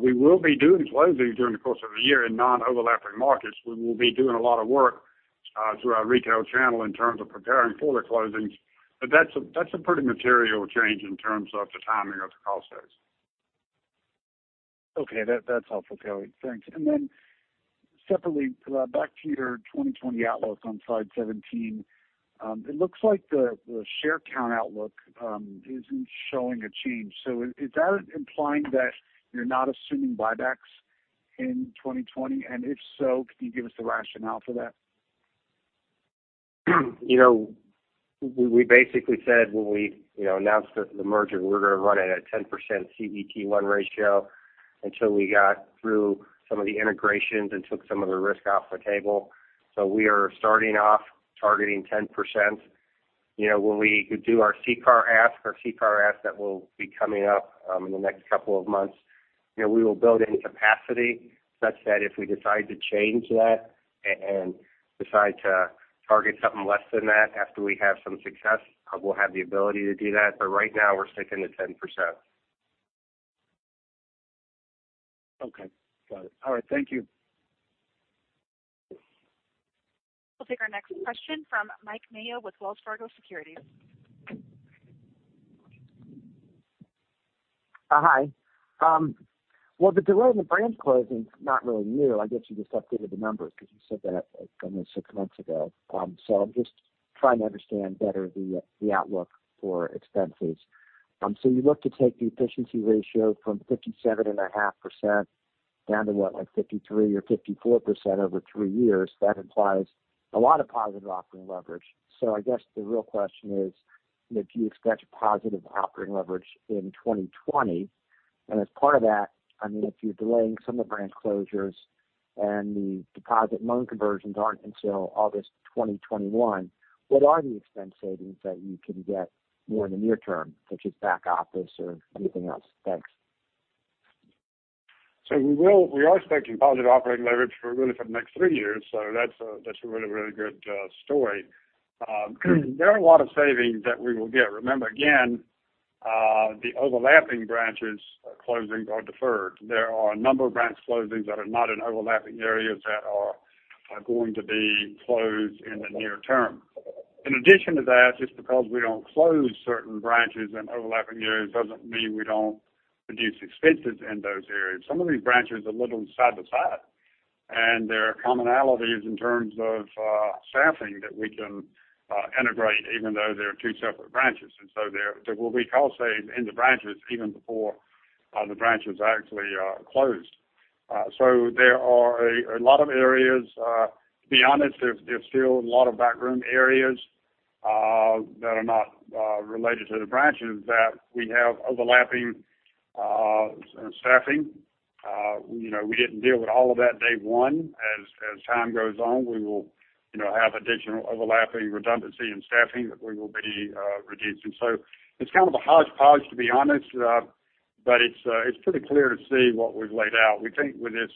We will be doing closings during the course of the year in non-overlapping markets. We will be doing a lot of work through our retail channel in terms of preparing for the closings. That's a pretty material change in terms of the timing of the cost saves. Okay, that's helpful, Kelly. Thanks. Separately, back to your 2020 outlook on slide 17. It looks like the share count outlook isn't showing a change. Is that implying that you're not assuming buybacks in 2020? If so, can you give us the rationale for that? We basically said when we announced the merger, we're going to run it at 10% CET1 ratio until we got through some of the integrations and took some of the risk off the table. We are starting off targeting 10%. When we do our CCAR ask, our CCAR ask that will be coming up in the next couple of months. We will build in capacity such that if we decide to change that and decide to target something less than that after we have some success, we'll have the ability to do that. Right now we're sticking to 10%. Okay, got it. All right, thank you. We'll take our next question from Mike Mayo with Wells Fargo Securities. Hi. Well, the delay in the branch closing is not really new. I guess you just updated the numbers because you said that almost six months ago. I'm just trying to understand better the outlook for expenses. You look to take the efficiency ratio from 57.5% down to what? Like 53% or 54% over three years. That implies a lot of positive operating leverage. I guess the real question is, do you expect positive operating leverage in 2020? As part of that, if you're delaying some of the branch closures and the deposit loan conversions aren't until August 2021, what are the expense savings that you can get more in the near term, such as back office or anything else? Thanks. We are expecting positive operating leverage for really for the next three years. That's a really good story. There are a lot of savings that we will get. Remember again the overlapping branches closing are deferred. There are a number of branch closings that are not in overlapping areas that are going to be closed in the near term. In addition to that, just because we don't close certain branches in overlapping areas doesn't mean we don't reduce expenses in those areas. Some of these branches are literally side by side, and there are commonalities in terms of staffing that we can integrate even though they are two separate branches. There will be cost save in the branches even before the branches are actually closed. There are a lot of areas. To be honest, there's still a lot of backroom areas that are not related to the branches that we have overlapping staffing. We didn't deal with all of that day one. As time goes on, we will have additional overlapping redundancy in staffing that we will be reducing. It's kind of a hodgepodge, to be honest. It's pretty clear to see what we've laid out. We think with this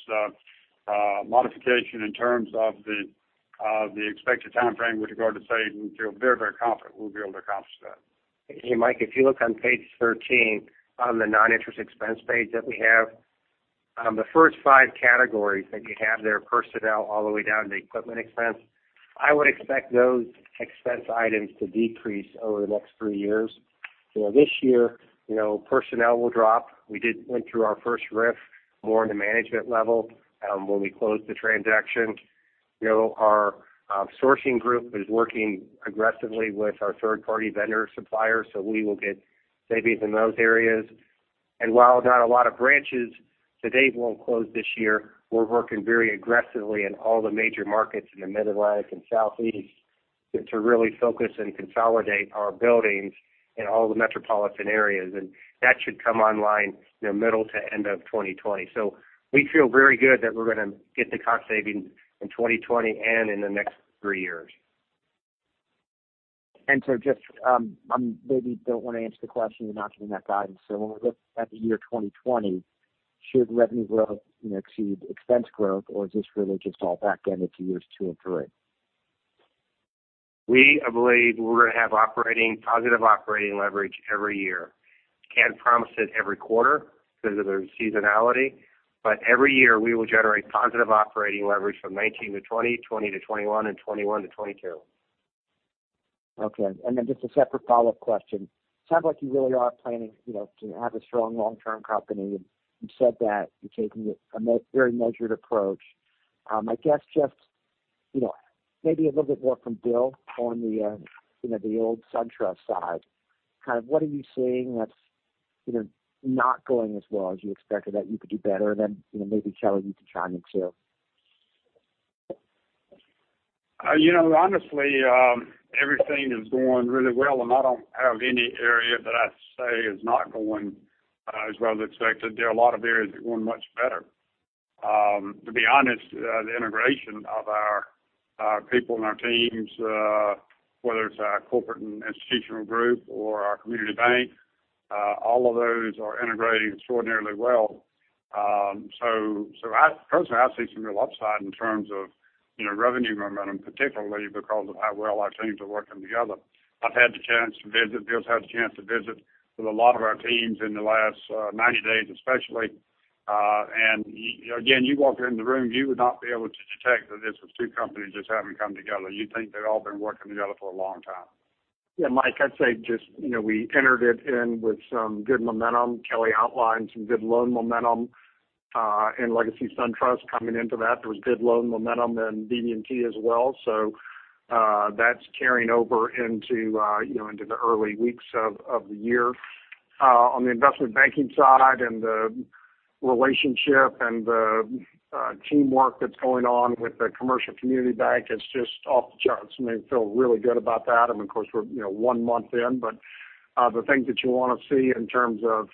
modification in terms of the expected time frame with regard to savings, we feel very confident we'll be able to accomplish that. Hey, Mike, if you look on page 13 on the non-interest expense page that we have, the first five categories that you have there, personnel, all the way down to equipment expense, I would expect those expense items to decrease over the next three years. This year, personnel will drop. We did went through our first RIF more in the management level when we closed the transaction. Our sourcing group is working aggressively with our third-party vendor suppliers, so we will get savings in those areas. While not a lot of branches today won't close this year, we're working very aggressively in all the major markets in the Mid-Atlantic and Southeast to really focus and consolidate our buildings in all the metropolitan areas. That should come online middle to end of 2020. We feel very good that we're going to get the cost savings in 2020 and in the next three years. Just, maybe you don't want to answer the question, you're not giving that guidance. When we look at the year 2020, should revenue growth exceed expense growth? Is this really just all back-ended to years two and three? We believe we're going to have positive operating leverage every year. Can't promise it every quarter because of the seasonality. Every year we will generate positive operating leverage from 2019 to 2020 to 2021, and 2021 to 2022. Okay. Just a separate follow-up question. Sounds like you really are planning to have a strong long-term company. You've said that you're taking a very measured approach. I guess just maybe a little bit more from Bill on the old SunTrust side. What are you seeing that's not going as well as you expected, that you could do better? Maybe, Kelly, you can chime in, too. Honestly, everything is going really well, and I don't have any area that I'd say is not going as well as expected. There are a lot of areas that are going much better. To be honest, the integration of our people and our teams, whether it's our Corporate and Institutional Group or our community bank, all of those are integrating extraordinarily well. Personally, I see some real upside in terms of revenue momentum, particularly because of how well our teams are working together. I've had the chance to visit, Bill's had the chance to visit with a lot of our teams in the last 90 days, especially. Again, you walk in the room, you would not be able to detect that this was two companies just having come together. You'd think they'd all been working together for a long time. Mike, I'd say we entered it in with some good momentum. Kelly outlined some good loan momentum in legacy SunTrust. Coming into that, there was good loan momentum in BB&T as well. That's carrying over into the early weeks of the year. On the investment banking side and the relationship and the teamwork that's going on with the commercial community bank, it's off the charts. I mean, I feel really good about that. Of course, we're one month in, but the things that you want to see in terms of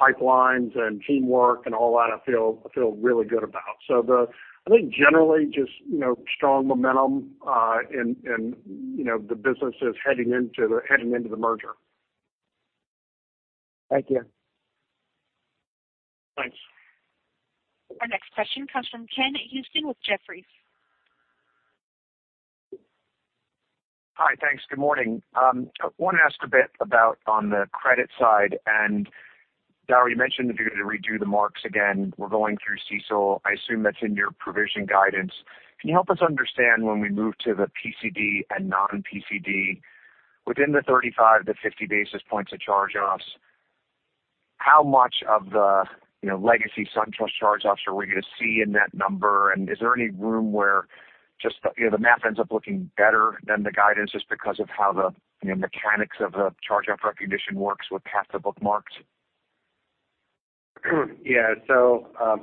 pipelines and teamwork and all that, I feel really good about. I think generally strong momentum in the businesses heading into the merger. Thank you. Thanks. Our next question comes from Ken Usdin with Jefferies. Hi. Thanks. Good morning. I want to ask a bit about on the credit side. Daryl, you mentioned that you're going to redo the marks again. We're going through CECL. I assume that's in your provision guidance. Can you help us understand when we move to the PCD and non-PCD within the 35-50 basis points of charge-offs, how much of the legacy SunTrust charge-offs are we going to see in that number? Is there any room where just the math ends up looking better than the guidance just because of how the mechanics of the charge-off recognition works with past the book marks? Yeah.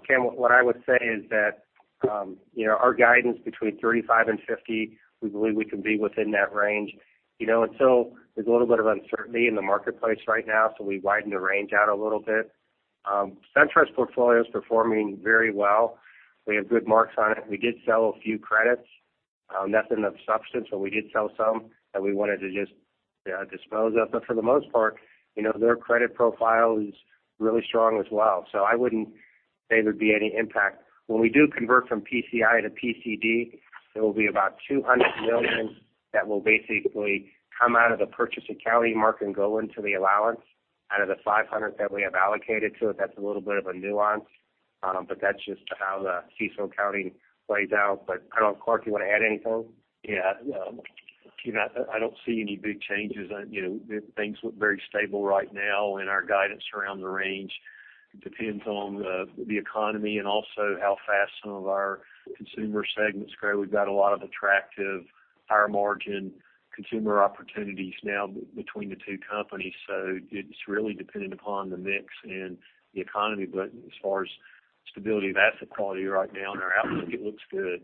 Ken, what I would say is that our guidance between 35 and 50, we believe we can be within that range. There's a little bit of uncertainty in the marketplace right now, so we widened the range out a little bit. SunTrust portfolio is performing very well. We have good marks on it. We did sell a few credits. Nothing of substance, but we did sell some that we wanted to just dispose of. For the most part, their credit profile is really strong as well. I wouldn't say there'd be any impact. When we do convert from PCI to PCD, there will be about $200 million that will basically come out of the purchase accounting mark and go into the allowance out of the $500 million that we have allocated to it. That's a little bit of a nuance. That's just how the CECL accounting plays out. I don't know, Clarke, you want to add anything? Yeah. I don't see any big changes. Things look very stable right now. Our guidance around the range depends on the economy and also how fast some of our consumer segments grow. We've got a lot of attractive higher margin consumer opportunities now between the two companies. It's really dependent upon the mix and the economy. As far as stability of asset quality right now and our outlook, it looks good.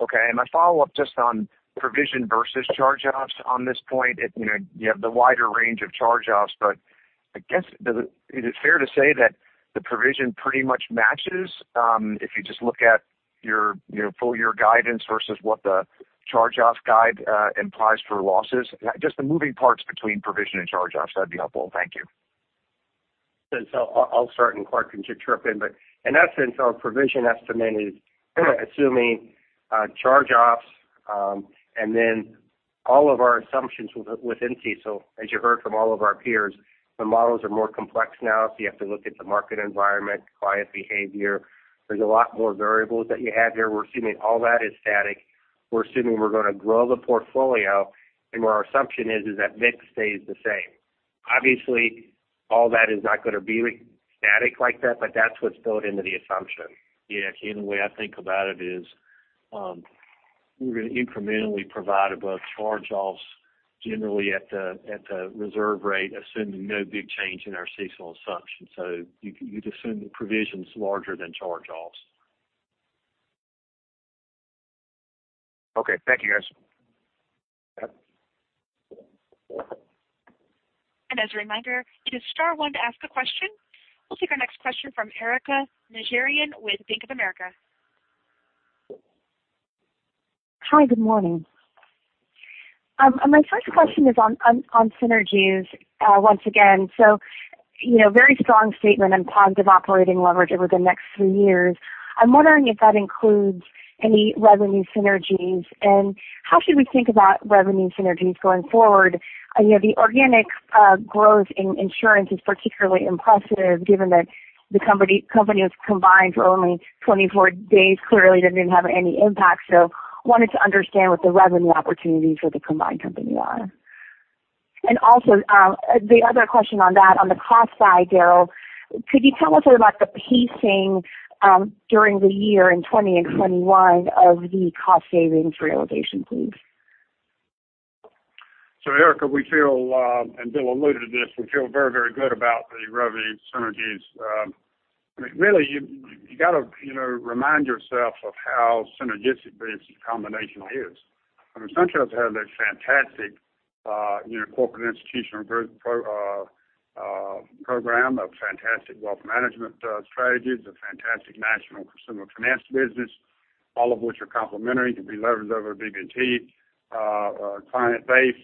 Okay. My follow-up just on provision versus charge-offs on this point. You have the wider range of charge-offs, I guess, is it fair to say that the provision pretty much matches? If you just look at your full year guidance versus what the charge-off guide implies for losses, just the moving parts between provision and charge-offs, that'd be helpful. Thank you. I'll start and Clarke can chip in. In essence, our provision estimate is kind of assuming charge-offs. All of our assumptions within CECL, as you heard from all of our peers, the models are more complex now. You have to look at the market environment, client behavior. There's a lot more variables that you had there. We're assuming all that is static. We're assuming we're going to grow the portfolio. What our assumption is that mix stays the same Obviously, all that is not going to be static like that, but that's what's built into the assumption. Yeah. The way I think about it is, we're going to incrementally provide above charge-offs generally at the reserve rate, assuming no big change in our CECL assumption. You'd assume the provision's larger than charge-offs. Okay. Thank you, guys. As a reminder, it is star one to ask a question. We'll take our next question from Erika Najarian with Bank of America. Hi. Good morning. My first question is on synergies once again. Very strong statement on positive operating leverage over the next three years. I'm wondering if that includes any revenue synergies, and how should we think about revenue synergies going forward? The organic growth in insurance is particularly impressive given that the company was combined for only 24 days. Clearly, that didn't have any impact. I wanted to understand what the revenue opportunities for the combined company are. Also, the other question on that, on the cost side, Daryl, could you tell us a little about the pacing during the year in 2020 and 2021 of the cost savings realization, please? Erika, and Bill alluded to this, we feel very, very good about the revenue synergies. Really, you got to remind yourself of how synergistic this combination is. SunTrust has a fantastic corporate institutional program, a fantastic wealth management strategies, a fantastic national consumer finance business, all of which are complementary, can be leveraged over BB&T client base.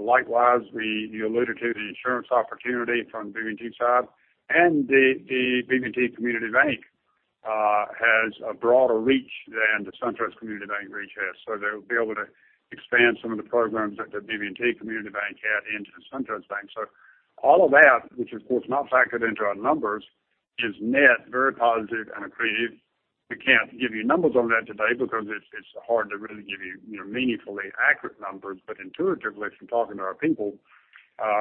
Likewise, you alluded to the insurance opportunity from BB&T side, and the BB&T community bank has a broader reach than the SunTrust community bank reach has. They'll be able to expand some of the programs that the BB&T community bank had into the SunTrust bank. All of that, which of course not factored into our numbers, is net very positive and accretive. We can't give you numbers on that today because it's hard to really give you meaningfully accurate numbers. Intuitively, from talking to our people,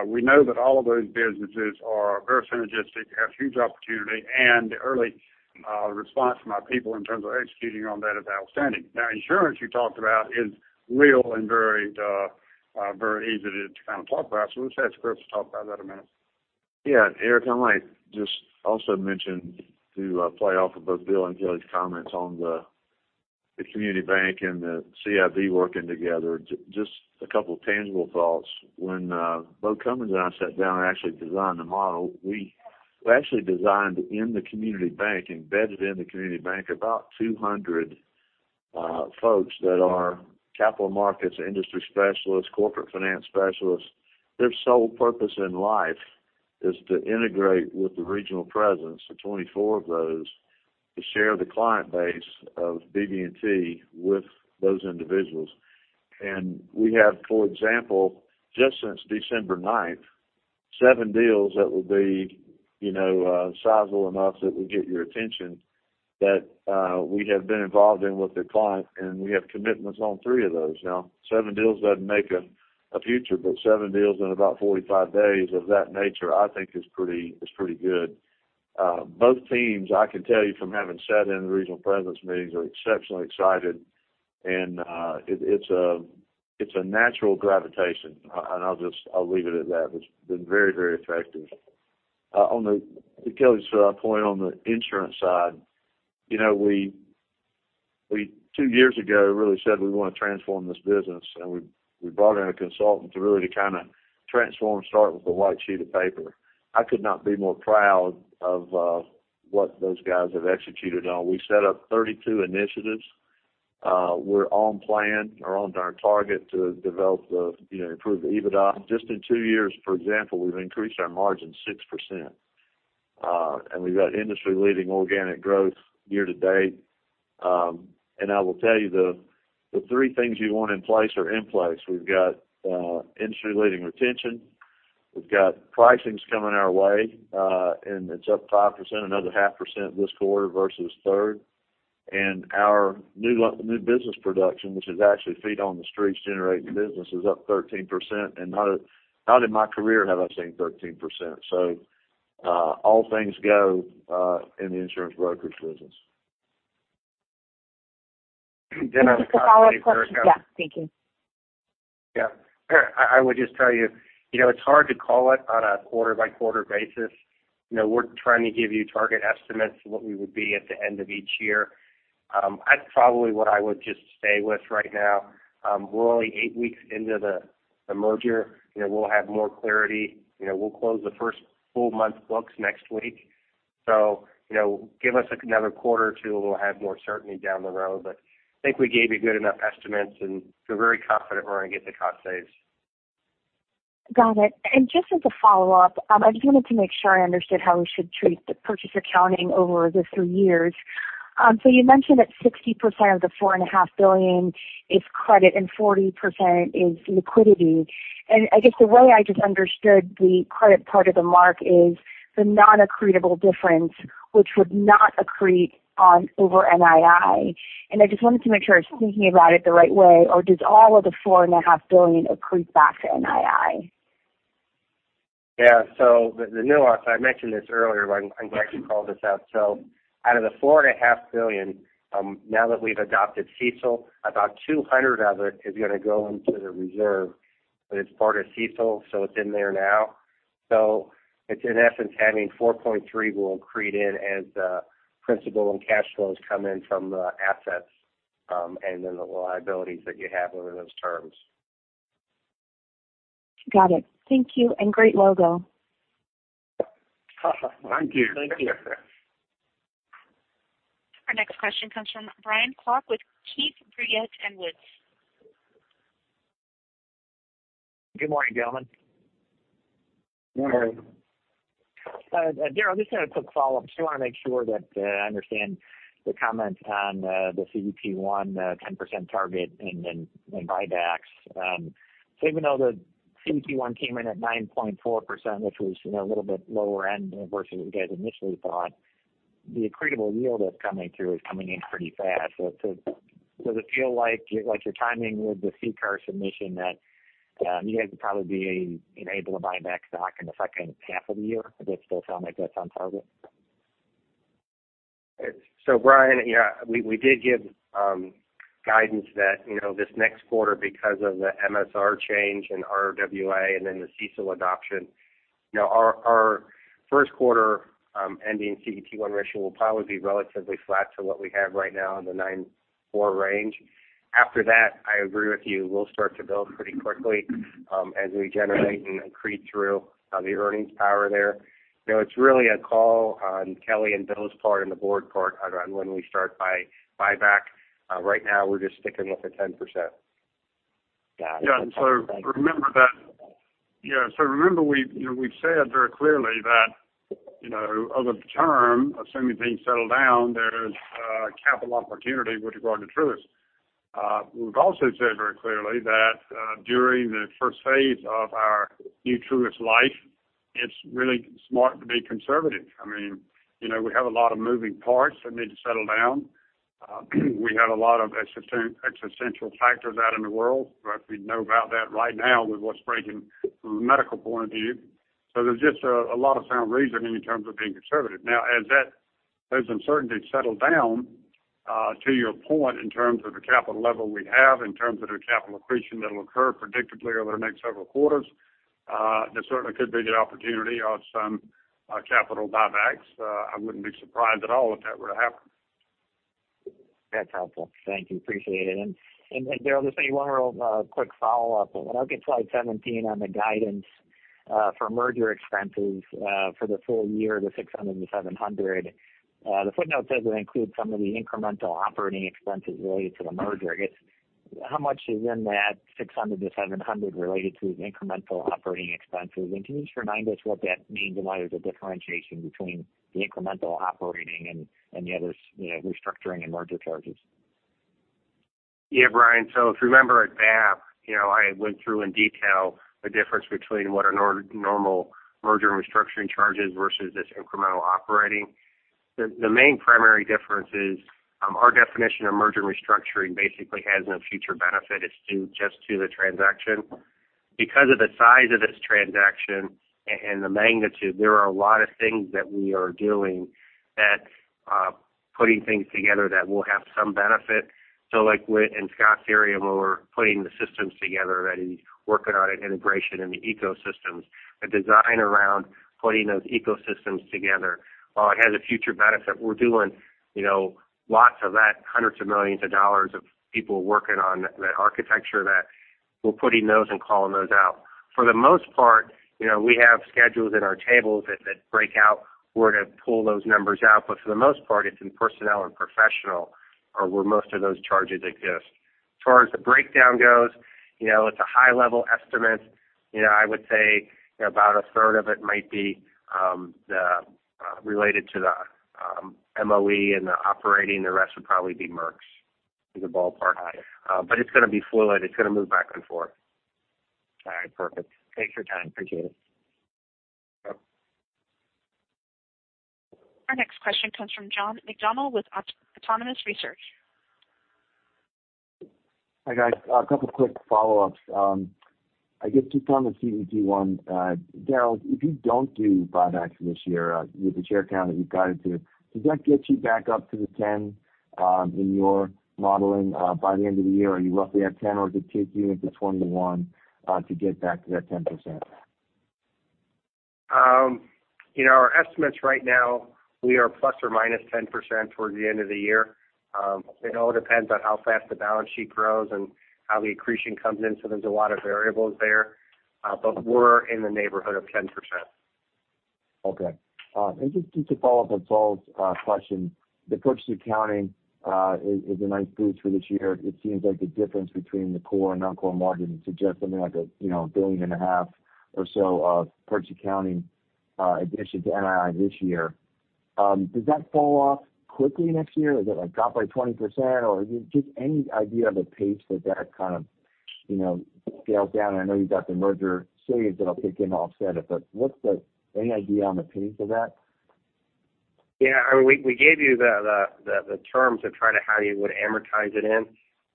we know that all of those businesses are very synergistic, have huge opportunity, and the early response from our people in terms of executing on that is outstanding. Insurance you talked about is real and very easy to kind of talk about. Let's have Chris talk about that a minute. Erika, I might just also mention to play off of both Bill and Kelly's comments on the community bank and the CIB working together. Just a couple tangible thoughts. When Beau Cummins and I sat down and actually designed the model, we actually designed in the community bank, embedded in the community bank about 200 folks that are capital markets industry specialists, corporate finance specialists. Their sole purpose in life is to integrate with the regional presence of 24 of those to share the client base of BB&T with those individuals. We have, for example, just since December 9th, seven deals that will be sizable enough that will get your attention that we have been involved in with their client, and we have commitments on three of those. Seven deals doesn't make a future, but seven deals in about 45 days of that nature, I think is pretty good. Both teams, I can tell you from having sat in the regional presidents meetings, are exceptionally excited. It's a natural gravitation, and I'll leave it at that. It's been very, very effective. On to Kelly's point on the insurance side. Two years ago, really said we want to transform this business, and we brought in a consultant to really kind of transform, start with a white sheet of paper. I could not be more proud of what those guys have executed on. We set up 32 initiatives. We're on plan or on our target to improve the EBITDA. Just in two years, for example, we've increased our margin 6%. We've got industry leading organic growth year to date. I will tell you the three things you want in place are in place. We've got industry leading retention. We've got pricings coming our way, and it's up 5%, another half percent this quarter versus third. Our new business production, which is actually feet on the streets generating business, is up 13%. Not in my career have I seen 13%. All things go in the insurance brokerage business. Just a follow-up question. Yeah. I would just tell you, it's hard to call it on a quarter-by-quarter basis. We're trying to give you target estimates of what we would be at the end of each year. That's probably what I would just stay with right now. We're only eight weeks into the merger. We'll have more clarity. We'll close the first full month books next week. Give us another quarter or two, we'll have more certainty down the road. I think we gave you good enough estimates, and feel very confident we're going to get the cost saves. Got it. Just as a follow-up, I just wanted to make sure I understood how we should treat the purchase accounting over the three years. You mentioned that 60% of the $4.5 billion is credit and 40% is liquidity. I guess the way I just understood the credit part of the mark is the non-accretable difference, which would not accrete over NII. I just wanted to make sure I was thinking about it the right way, or does all of the $4.5 billion accrete back to NII? Yeah. The nuance, I mentioned this earlier, but I'm glad you called this out. Out of the $4.5 billion, now that we've adopted CECL, about $200 of it is going to go into the reserve, but it's part of CECL, so it's in there now. It's in essence having $4.3 billion accrete in as principal and cash flows come in from the assets, and then the liabilities that you have under those terms. Got it. Thank you, and great logo. Thank you. Thank you. Our next question comes from Brian Klock with Keefe, Bruyette & Woods. Good morning, gentlemen. Good morning. Daryl, just a quick follow-up. Just want to make sure that I understand the comments on the CET1 10% target and then buybacks. Even though the CET1 came in at 9.4%, which was a little bit lower end versus what you guys initially thought, the accretable yield that's coming through is coming in pretty fast. Does it feel like your timing with the CCAR submission that you guys would probably be able to buy back stock in the second half of the year? Does it still sound like that's on target? Brian, yeah, we did give guidance that this next quarter, because of the MSR change and RWA and then the CECL adoption, our first quarter ending CET1 ratio will probably be relatively flat to what we have right now in the 9.4 range. After that, I agree with you. We'll start to build pretty quickly as we generate and accrete through the earnings power there. It's really a call on Kelly and Bill's part and the board's part on when we start buyback. Right now we're just sticking with the 10%. Got it. That's helpful. Thank you. Yeah. Remember we've said very clearly that over the term, assuming things settle down, there's capital opportunity with regard to Truist. We've also said very clearly that during the first phase of our new Truist life, it's really smart to be conservative. We have a lot of moving parts that need to settle down. We have a lot of existential factors out in the world, we know about that right now with what's breaking from a medical point of view. There's just a lot of sound reasoning in terms of being conservative. As those uncertainties settle down, to your point, in terms of the capital level we have, in terms of the capital accretion that'll occur predictably over the next several quarters, there certainly could be the opportunity of some capital buybacks. I wouldn't be surprised at all if that were to happen. That's helpful. Thank you. Appreciate it. Daryl, just maybe one little quick follow-up. When I look at slide 17 on the guidance for merger expenses for the full year, the $600 million-$700 million, the footnote says it includes some of the incremental operating expenses related to the merger. How much is in that $600 million-$700 million related to incremental operating expenses? Can you just remind us what that means and why there's a differentiation between the incremental operating and the other restructuring and merger charges? Yeah, Brian. If you remember at (BAAB), I went through in detail the difference between what a normal merger and restructuring charge is versus this incremental operating. The main primary difference is our definition of merger and restructuring basically has no future benefit. It's just to the transaction. Because of the size of this transaction and the magnitude, there are a lot of things that we are doing that putting things together that will have some benefit. Like in Scott's area, where we're putting the systems together and working on an integration in the ecosystems, the design around putting those ecosystems together. While it has a future benefit, we're doing lots of that, hundreds of millions of dollars of people working on the architecture that we're putting those and calling those out. For the most part, we have schedules in our tables that break out where to pull those numbers out. For the most part, it's in personnel and professional are where most of those charges exist. As far as the breakdown goes, it's a high-level estimate. I would say about a third of it might be related to the MOE and the operating. The rest would probably be merger charges as a ballpark. It's going to be fluid. It's going to move back and forth. All right. Perfect. Thanks for your time. Appreciate it. Yep. Our next question comes from John McDonald with Autonomous Research. Hi, guys. A couple quick follow-ups. I guess to start with CET1, Daryl, if you don't do buybacks this year with the share count that you've guided to, does that get you back up to the 10% in your modeling by the end of the year? Are you roughly at 10% or does it take you into 2021 to get back to that 10%? Our estimates right now, we are ±10% towards the end of the year. It all depends on how fast the balance sheet grows and how the accretion comes in. There's a lot of variables there. We're in the neighborhood of 10%. Okay. Just to follow up on Saul's question, the purchase accounting is a nice boost for this year. It seems like the difference between the core and non-core margin suggests something like $1.5 billion or so of purchase accounting addition to NII this year. Does that fall off quickly next year? Is it like drop by 20%? Just any idea of the pace that that kind of scales down? I know you've got the merger saves that'll kick in to offset it, but any idea on the pace of that? Yeah. We gave you the terms of how you would amortize it in.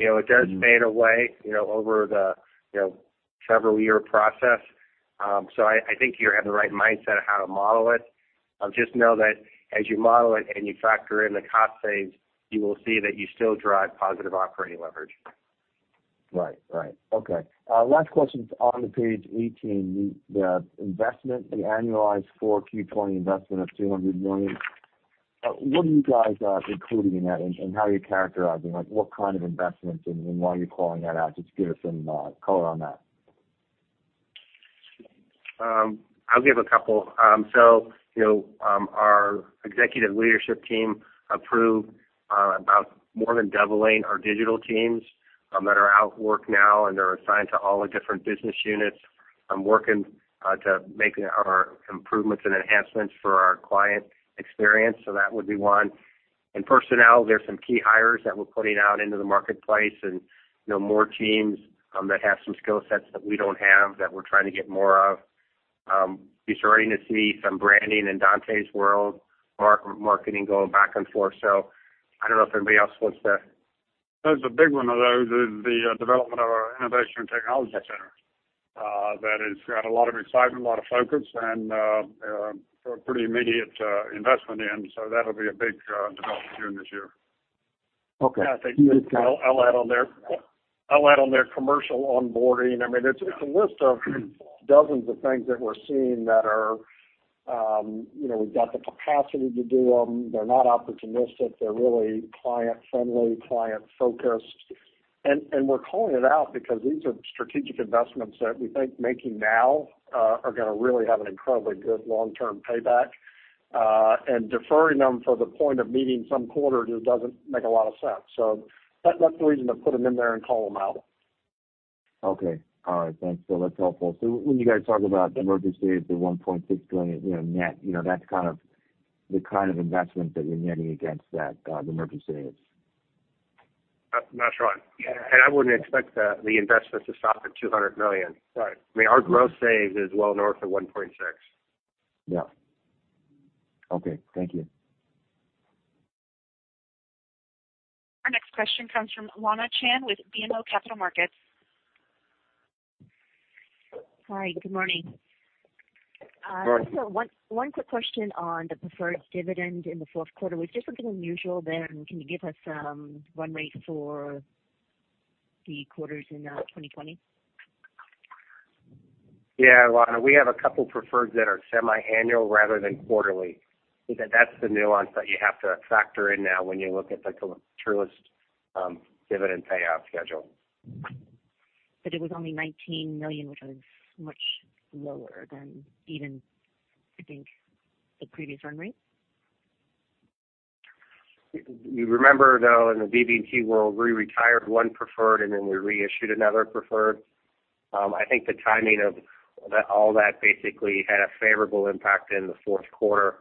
It does fade away over the several-year process. I think you have the right mindset of how to model it. Just know that as you model it and you factor in the cost saves, you will see that you still drive positive operating leverage. Right. Okay. Last question. On page 18, the annualized 4Q 2020 investment of $200 million. What are you guys including in that, and how are you characterizing? What kind of investments, and why are you calling that out? Just give us some color on that. I'll give a couple. Our executive leadership team approved about more than doubling our digital teams that are at work now, and they're assigned to all the different business units, working to make our improvements and enhancements for our client experience. In personnel, there's some key hires that we're putting out into the marketplace, and more teams that have some skill sets that we don't have that we're trying to get more of. Be starting to see some branding in Dontá's world, marketing going back and forth. I don't know if anybody else wants to. There's a big one, though. The development of our Innovation and Technology Center. That has got a lot of excitement, a lot of focus, and a pretty immediate investment in, so that'll be a big development during this year. Okay. Yeah. I'll add on there commercial onboarding. It's a list of dozens of things that we're seeing that we've got the capacity to do them. They're not opportunistic. They're really client-friendly, client-focused. We're calling it out because these are strategic investments that we think making now are going to really have an incredibly good long-term payback. Deferring them for the point of meeting some quarter just doesn't make a lot of sense. That's the reason to put them in there and call them out. Okay. All right. Thanks. That's helpful. When you guys talk about merger savings is the $1.6 billion net, that's the kind of investment that you're netting against that, the merger savings is. That's right. I wouldn't expect the investments to stop at $200 million. Right. Our gross save is well north of $1.6 billion. Yeah. Okay. Thank you. Our next question comes from Lana Chan with BMO Capital Markets. Hi. Good morning. Morning. Just one quick question on the preferred dividend in the fourth quarter. Was just looking unusual there, and can you give us run rate for the quarters in 2020? Yeah, Lana, we have a couple preferreds that are semiannual rather than quarterly. That's the nuance that you have to factor in now when you look at the Truist dividend payout schedule. It was only $19 million, which was much lower than even, I think, the previous run rate. You remember, though, in the BB&T world, we retired one preferred, and then we reissued another preferred. I think the timing of all that basically had a favorable impact in the fourth quarter.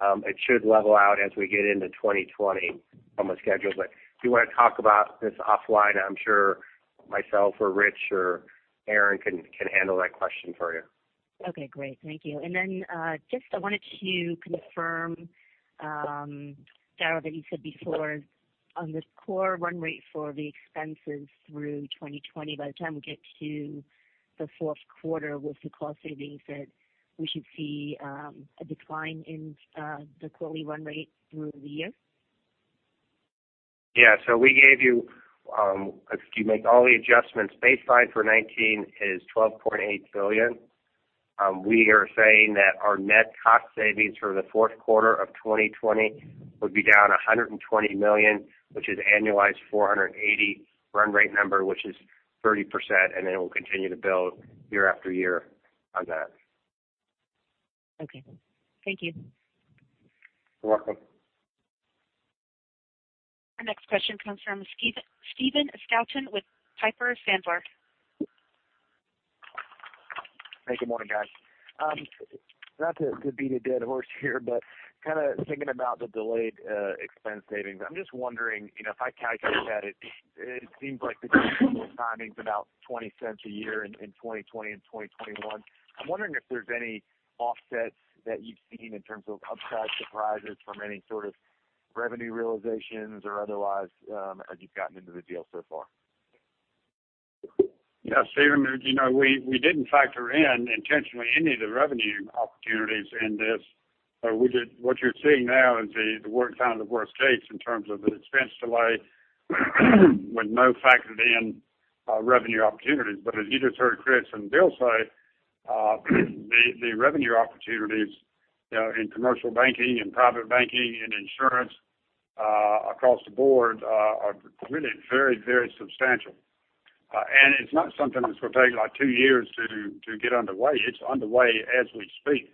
It should level out as we get into 2020 on the schedule. If you want to talk about this offline, I'm sure myself or Rich or Clarke can handle that question for you. Okay, great. Thank you. Just I wanted to confirm, Daryl, that you said before on this core run rate for the expenses through 2020, by the time we get to the fourth quarter with the cost savings, that we should see a decline in the quarterly run rate through the year? Yeah. We gave you, if you make all the adjustments baseline for 2019 is $12.8 billion. We are saying that our net cost savings for the fourth quarter of 2020 would be down $120 million, which is annualized 480 run rate number, which is 30%, and it will continue to build year after year on that. Okay. Thank you. You're welcome. Our next question comes from Stephen Scouten with Piper Sandler. Hey, good morning, guys. Not to beat a dead horse here, but kind of thinking about the delayed expense savings. I'm just wondering, if I calculate that, it seems like the timing's about $0.20 a year in 2020 and 2021. I'm wondering if there's any offsets that you've seen in terms of upside surprises from any sort of revenue realizations or otherwise, as you've gotten into the deal so far. Yeah, Stephen, we didn't factor in intentionally any of the revenue opportunities in this. What you're seeing now is the worst time, the worst case in terms of the expense delay with no factored in revenue opportunities. As you just heard Chris and Bill say, the revenue opportunities in commercial banking and private banking and insurance across the board are really very substantial. It's not something that's going to take two years to get underway. It's underway as we speak.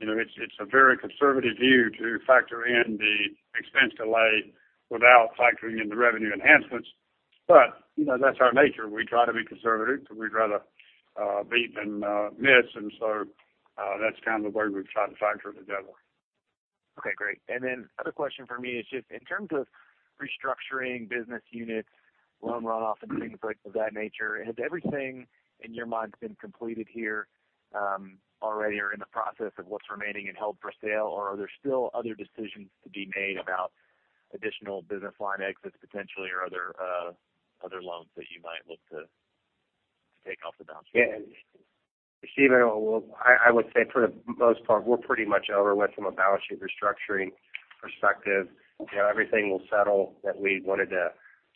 It's a very conservative view to factor in the expense delay without factoring in the revenue enhancements. That's our nature. We try to be conservative because we'd rather be than miss. That's kind of the way we've tried to factor it together. Okay, great. Other question for me is just in terms of restructuring business units, loan runoff and things of that nature, has everything in your mind been completed here already or in the process of what's remaining in held for sale? Are there still other decisions to be made about additional business line exits potentially or other loans that you might look to take off the balance sheet? Stephen, I would say for the most part, we're pretty much over with from a balance sheet restructuring perspective. Everything will settle that we wanted to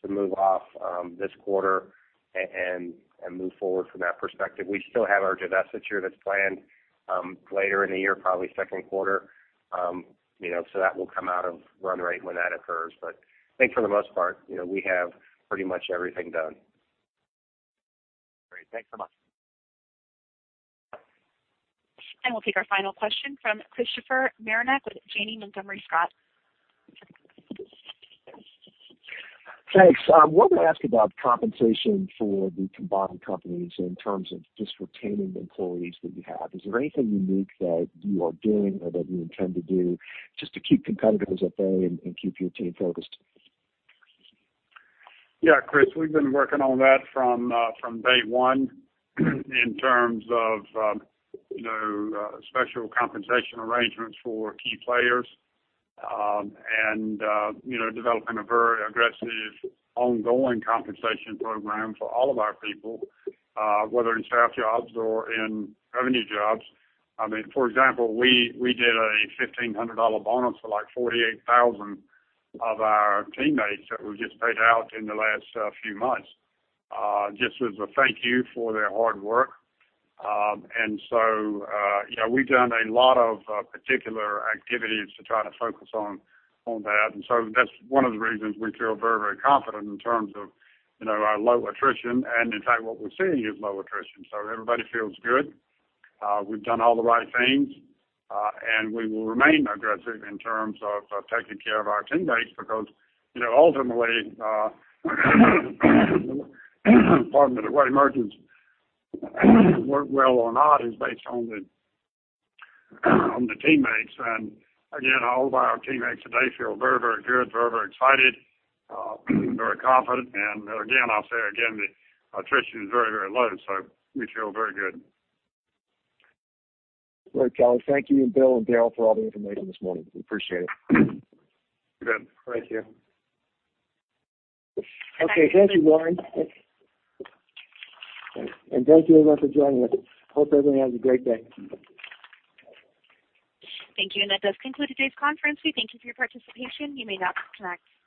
move off this quarter and move forward from that perspective. We still have our divestiture that's planned later in the year, probably second quarter. That will come out of run rate when that occurs. I think for the most part, we have pretty much everything done. Great. Thanks so much. We'll take our final question from Christopher Marinac with Janney Montgomery Scott. Thanks. I wanted to ask about compensation for the combined companies in terms of just retaining the employees that you have. Is there anything unique that you are doing or that you intend to do just to keep competitors at bay and keep your team focused? Yeah, Chris, we've been working on that from day one in terms of special compensation arrangements for key players, developing a very aggressive ongoing compensation program for all of our people, whether in staff jobs or in revenue jobs. For example, we did a $1,500 bonus for like 48,000 of our teammates that we just paid out in the last few months, just as a thank you for their hard work. We've done a lot of particular activities to try to focus on that. That's one of the reasons we feel very confident in terms of our low attrition. In fact, what we're seeing is low attrition. Everybody feels good. We've done all the right things. We will remain aggressive in terms of taking care of our teammates because, ultimately, pardon me, the way the merger works well or not is based on the teammates. Again, all of our teammates today feel very good, very excited, very confident. Again, I'll say it again, the attrition is very low, so we feel very good. Great. Kelly, thank you and Bill and Daryl for all the information this morning. We appreciate it. You bet. Thank you. Okay. Thank you, Lauren. Thank you everyone for joining us. Hope everyone has a great day. Thank you. That does conclude today's conference. We thank you for your participation. You may now disconnect.